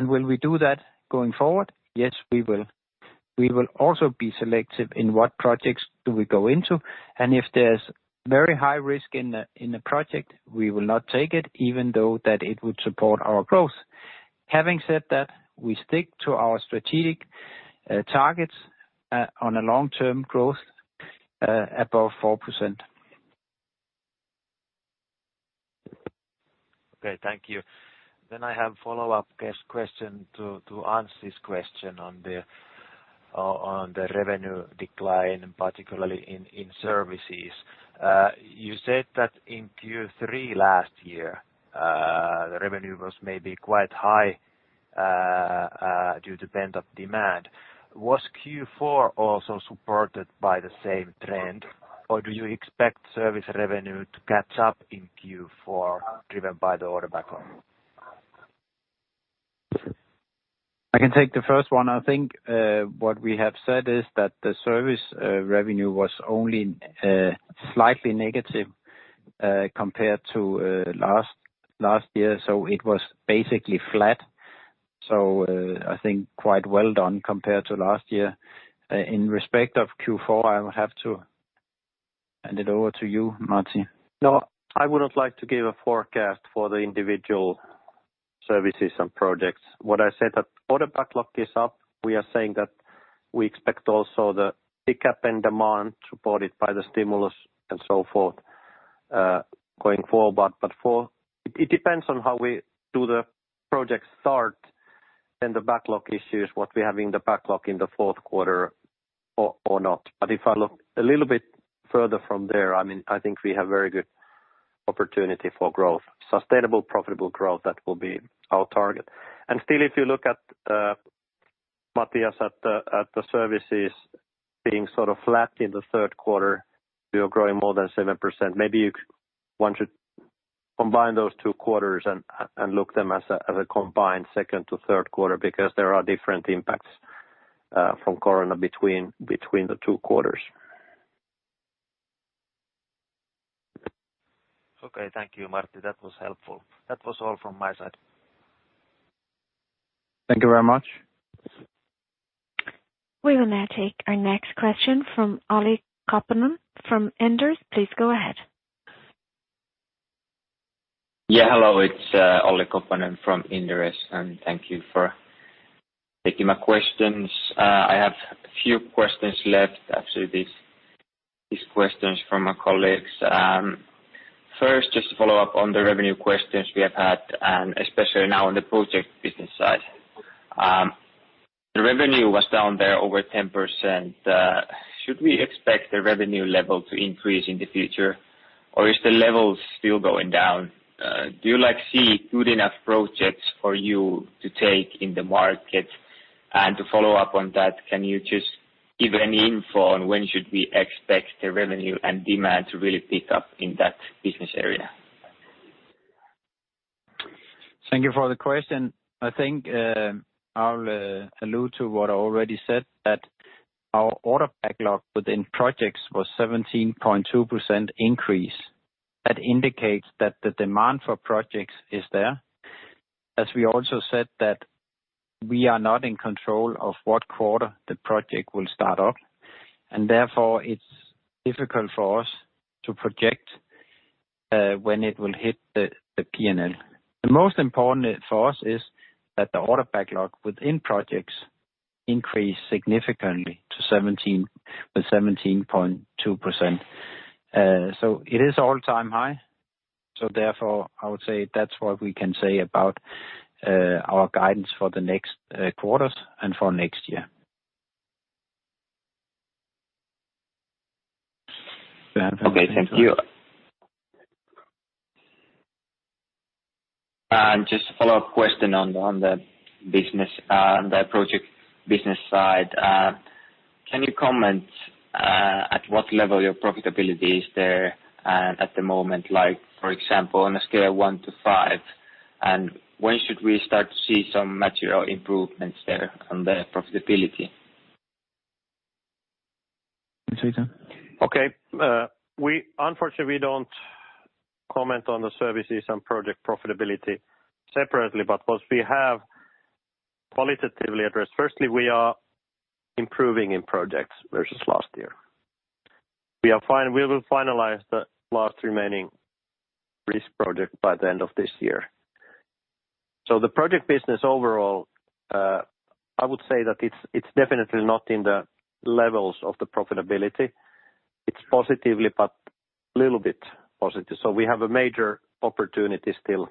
Will we do that going forward? Yes, we will. We will also be selective in what projects do we go into. If there's very high risk in the project, we will not take it, even though that it would support our growth. Having said that, we stick to our strategic targets on a long-term growth above 4%. Okay. Thank you. I have follow-up question to answer this question on the revenue decline, particularly in services. You said that in Q3 last year, the revenue was maybe quite high due to pent-up demand. Was Q4 also supported by the same trend? Or do you expect service revenue to catch up in Q4 driven by the order backlog? I can take the first one. I think, what we have said is that the service revenue was only slightly negative compared to last year, so it was basically flat. I think quite well done compared to last year. In respect of Q4, I'll have to hand it over to you, Martti. No, I would not like to give a forecast for the individual services and projects. What I said that order backlog is up. We are saying that we expect also the pickup in demand supported by the stimulus and so forth, going forward. It depends on how we do the project start, then the backlog issues, what we have in the backlog in the fourth quarter or not. If I look a little bit further from there, I mean, I think we have very good opportunity for growth, sustainable, profitable growth. That will be our target. Still, if you look at Matias, at the services being sort of flat in the third quarter, we are growing more than 7%. Maybe one should combine those two quarters and look them as a combined second to third quarter because there are different impacts from Corona between the two quarters. Okay. Thank you, Martti. That was helpful. That was all from my side. Thank you very much. We will now take our next question from Olli Koponen from Inderes. Please go ahead. Yeah. Hello. It's Olli Koponen from Inderes, and thank you for taking my questions. I have a few questions left. Actually, these questions from my colleagues. First, just to follow up on the revenue questions we have had, and especially now on the project business side. The revenue was down there over 10%. Should we expect the revenue level to increase in the future, or is the level still going down? Do you like see good enough projects for you to take in the market? And to follow up on that, can you just give any info on when should we expect the revenue and demand to really pick up in that business area? Thank you for the question. I think, I'll allude to what I already said, that our order backlog within projects was 17.2% increase. That indicates that the demand for projects is there. As we also said that we are not in control of what quarter the project will start up, and therefore it's difficult for us to project when it will hit the P&L. The most important for us is that the order backlog within projects increased significantly to 17.2%. So it is all-time high, so therefore I would say that's what we can say about our guidance for the next quarters and for next year. Okay. Thank you. Just a follow-up question on the business, the project business side. Can you comment at what level your profitability is there at the moment, like for example, on a scale of one to five? When should we start to see some material improvements there on the profitability? Okay. Unfortunately, we don't comment on the services and project profitability separately, but what we have qualitatively addressed. Firstly, we are improving in projects versus last year. We are fine. We will finalize the last remaining risk project by the end of this year. The project business overall, I would say that it's definitely not in the levels of the profitability. It's positively, but little bit positive. We have a major opportunity still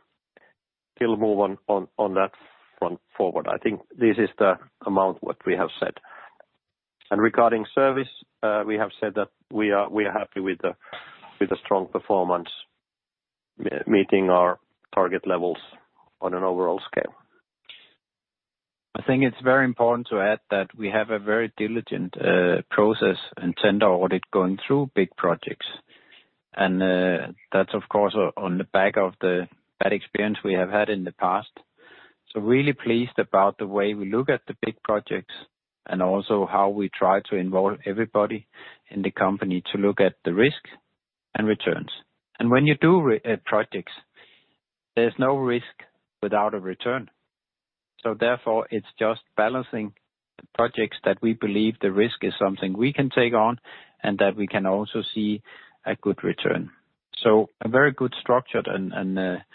to move on that front forward. I think this is the amount what we have said. Regarding service, we have said that we are happy with the strong performance, meeting our target levels on an overall scale. I think it's very important to add that we have a very diligent process and tender audit going through big projects. That's of course on the back of the bad experience we have had in the past. Really pleased about the way we look at the big projects and also how we try to involve everybody in the company to look at the risk and returns. When you do projects, there's no risk without a return. Therefore, it's just balancing the projects that we believe the risk is something we can take on and that we can also see a good return. A very good structured and a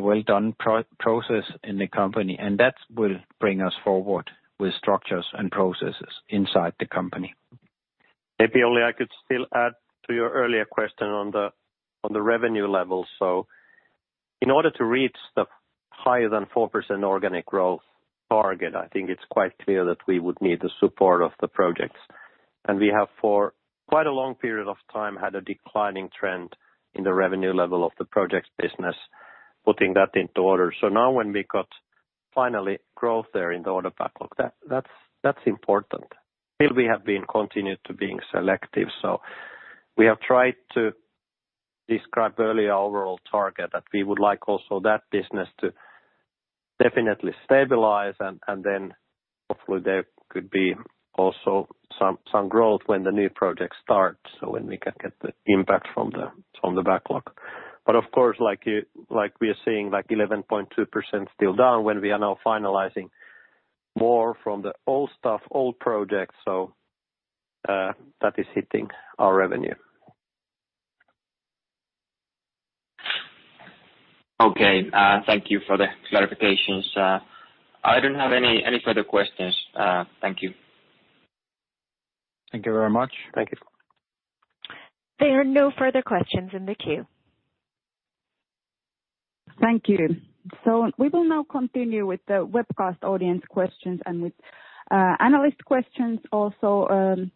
well-done process in the company, and that will bring us forward with structures and processes inside the company. Maybe only I could still add to your earlier question on the revenue level. In order to reach the higher than 4% organic growth target, I think it's quite clear that we would need the support of the projects. We have, for quite a long period of time, had a declining trend in the revenue level of the projects business, putting that into order. Now when we got finally growth there in the order backlog, that's important. Still, we have continued to be selective. We have tried to describe early our overall target that we would like also that business to definitely stabilize, and then hopefully there could be also some growth when the new project starts, so when we can get the impact from the backlog. Of course, like we are seeing, like 11.2% still down when we are now finalizing more from the old stuff, old projects, that is hitting our revenue. Okay. Thank you for the clarifications. I don't have any further questions. Thank you. Thank you very much. Thank you. There are no further questions in the queue. Thank you. We will now continue with the webcast audience questions and with analyst questions also.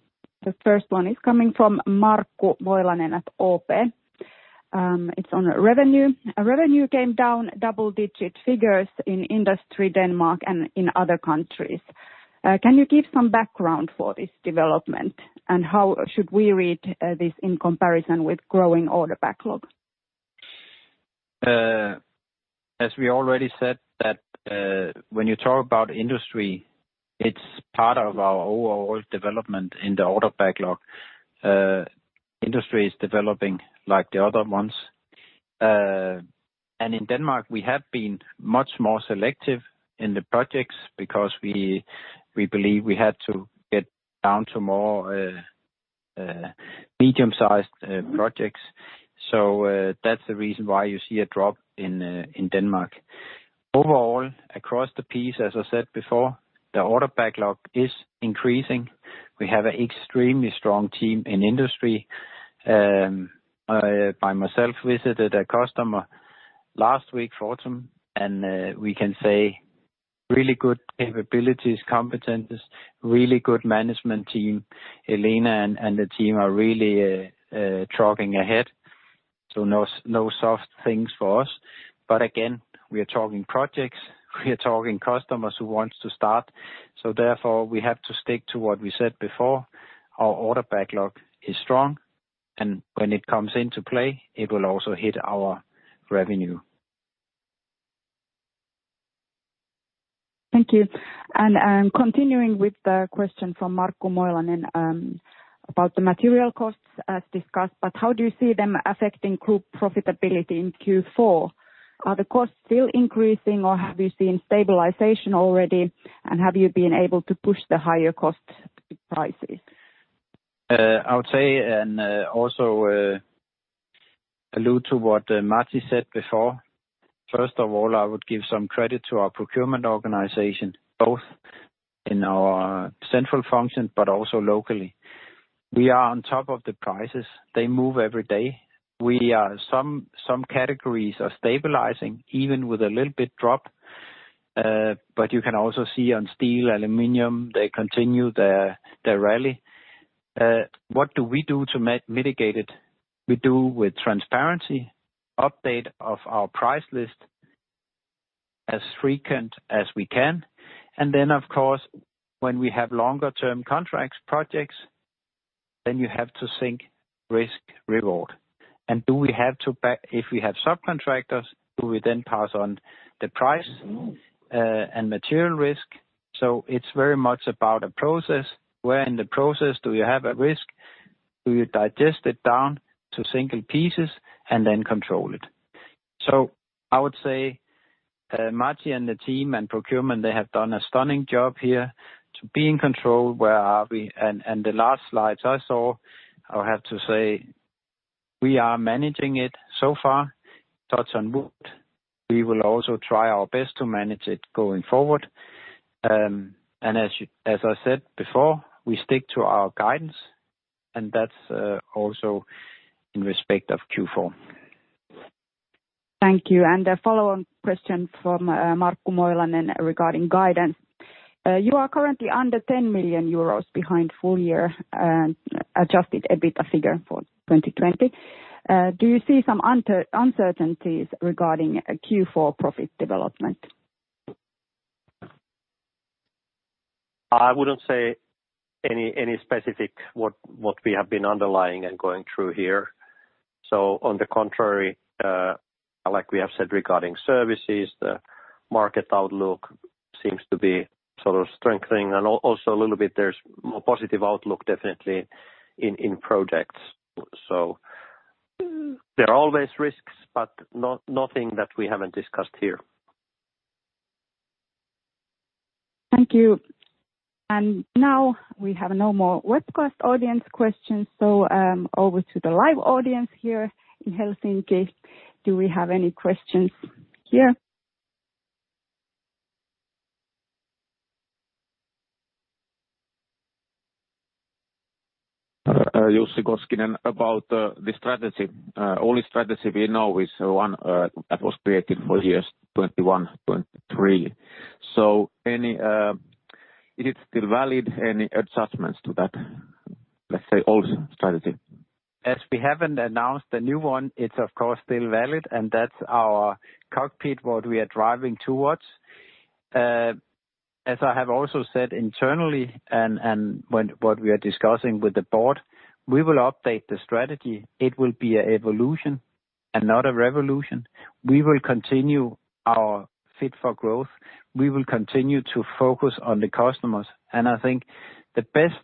The first one is coming from Markku Moilanen at OP. It's on revenue. Revenue came down double-digit figures in Industry Denmark and in other countries. Can you give some background for this development? How should we read this in comparison with growing order backlog? As we already said that, when you talk about industry, it's part of our overall development in the order backlog. Industry is developing like the other ones. In Denmark, we have been much more selective in the projects because we believe we had to get down to more medium-sized projects. That's the reason why you see a drop in Denmark. Overall, across the piece, as I said before, the order backlog is increasing. We have an extremely strong team in industry. I myself visited a customer last week, Fortum, and we can say really good capabilities, competencies, really good management team. Elena and the team are really trucking ahead. No soft things for us. Again, we are talking projects, we are talking customers who wants to start. We have to stick to what we said before. Our order backlog is strong, and when it comes into play, it will also hit our revenue. Thank you. Continuing with the question from Markku Moilanen, about the material costs as discussed, but how do you see them affecting group profitability in Q4? Are the costs still increasing or have you seen stabilization already? Have you been able to push the higher cost prices? I would say also allude to what Martti said before. First of all, I would give some credit to our procurement organization, both in our central function but also locally. We are on top of the prices. They move every day. We're seeing some categories are stabilizing, even with a little bit drop. You can also see in steel, aluminum, they continue their rally. What do we do to mitigate it? We do with transparency, update of our price list as frequent as we can. Of course, when we have longer-term contracts projects, you have to think risk/reward. If we have subcontractors, do we then pass on the price and material risk? It's very much about a process. Where in the process do you have a risk? Do you digest it down to single pieces and then control it? I would say Matti and the team and procurement, they have done a stunning job here to be in control. Where are we? The last slides I saw, I have to say, we are managing it so far. Touch wood. We will also try our best to manage it going forward. As I said before, we stick to our guidance, and that's also in respect of Q4. Thank you. A follow-on question from Markku Moilanen regarding guidance. You are currently under 10 million euros behind full-year adjusted EBIT figure for 2020. Do you see some uncertainties regarding a Q4 profit development? I wouldn't say any specific what we have been underlying and going through here. On the contrary, like we have said regarding services, the market outlook seems to be sort of strengthening. Also a little bit, there's more positive outlook definitely in projects. There are always risks, but nothing that we haven't discussed here. Thank you. Now we have no more webcast audience questions, so, over to the live audience here in Helsinki. Do we have any questions here? Jussi Koskinen. About the strategy. Only strategy we know is one that was created for years 2021-2023. Is it still valid, any adjustments to that, let's say, old strategy? As we haven't announced the new one, it's of course still valid, and that's our cockpit, what we are driving towards. As I have also said internally and what we are discussing with the board, we will update the strategy. It will be an evolution and not a revolution. We will continue our Fit for Growth. We will continue to focus on the customers. I think the best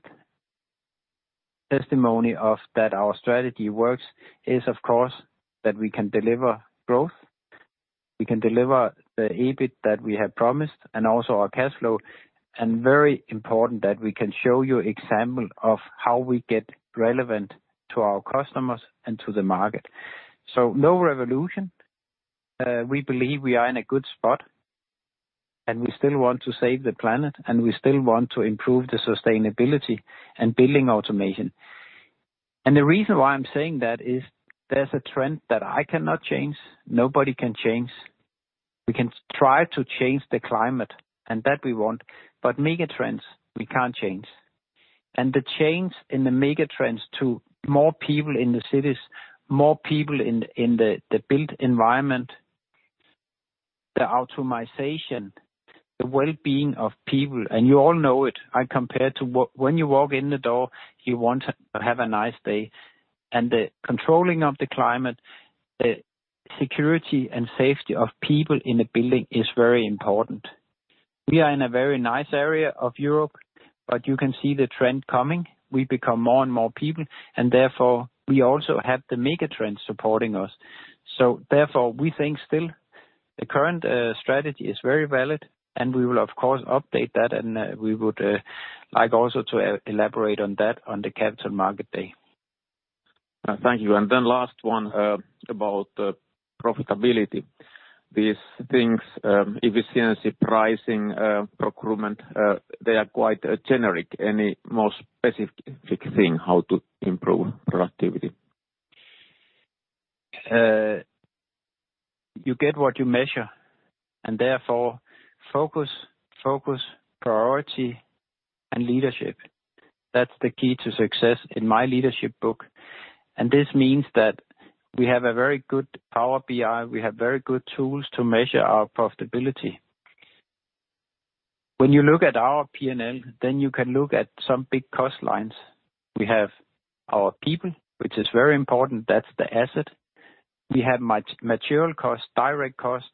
testimony of that our strategy works is of course that we can deliver growth, we can deliver the EBIT that we have promised and also our cash flow. Very important that we can show you example of how we get relevant to our customers and to the market. No revolution. We believe we are in a good spot, and we still want to save the planet, and we still want to improve the sustainability and building automation. The reason why I'm saying that is there's a trend that I cannot change. Nobody can change. We can try to change the climate and that we want, but megatrends we can't change. The change in the megatrends to more people in the cities, more people in the built environment, the automation, the well-being of people. You all know it. I compare it to when you walk in the door, you want to have a nice day. The controlling of the climate, the security and safety of people in a building is very important. We are in a very nice area of Europe, but you can see the trend coming. We become more and more people, and therefore we also have the mega trends supporting us. Therefore, we think still the current strategy is very valid, and we will of course update that. We would like also to elaborate on that on the Capital Market Day. Thank you. Last one, about the profitability. These things, efficiency, pricing, procurement, they are quite generic. Any more specific thing how to improve productivity? You get what you measure, and therefore focus, priority and leadership. That's the key to success in my leadership book. This means that we have a very good Power BI. We have very good tools to measure our profitability. When you look at our P&L, then you can look at some big cost lines. We have our people, which is very important. That's the asset. We have material cost, direct cost,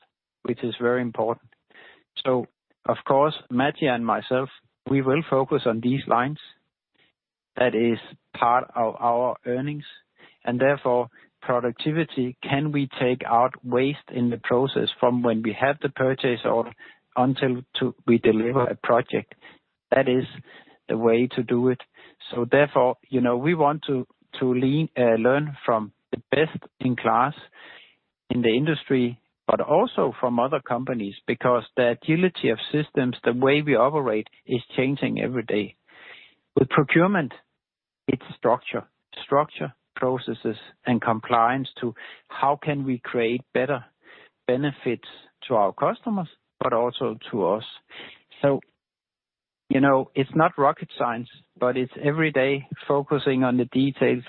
which is very important. Of course, Matti and myself, we will focus on these lines. That is part of our earnings. Therefore, productivity, can we take out waste in the process from when we have the purchase order until we deliver a project? That is the way to do it. Therefore, you know, we want to learn from the best in class in the industry, but also from other companies, because the agility of systems, the way we operate is changing every day. With procurement, it's structure, processes and compliance to how we can create better benefits to our customers but also to us. You know, it's not rocket science, but it's every day focusing on the details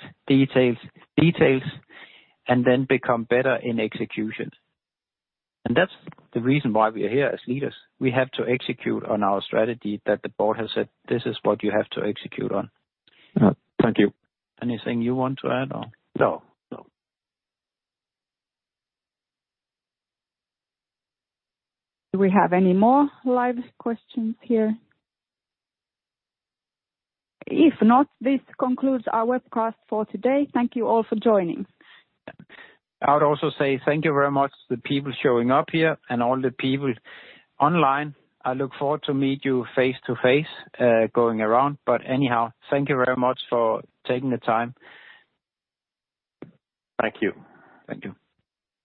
and then become better in execution. That's the reason why we are here as leaders. We have to execute on our strategy that the board has said, This is what you have to execute on. Thank you. Anything you want to add or? No. Do we have any more live questions here? If not, this concludes our webcast for today. Thank you all for joining. I would also say thank you very much to the people showing up here and all the people online. I look forward to meet you face to face, going around. Anyhow, thank you very much for taking the time. Thank you. Thank you.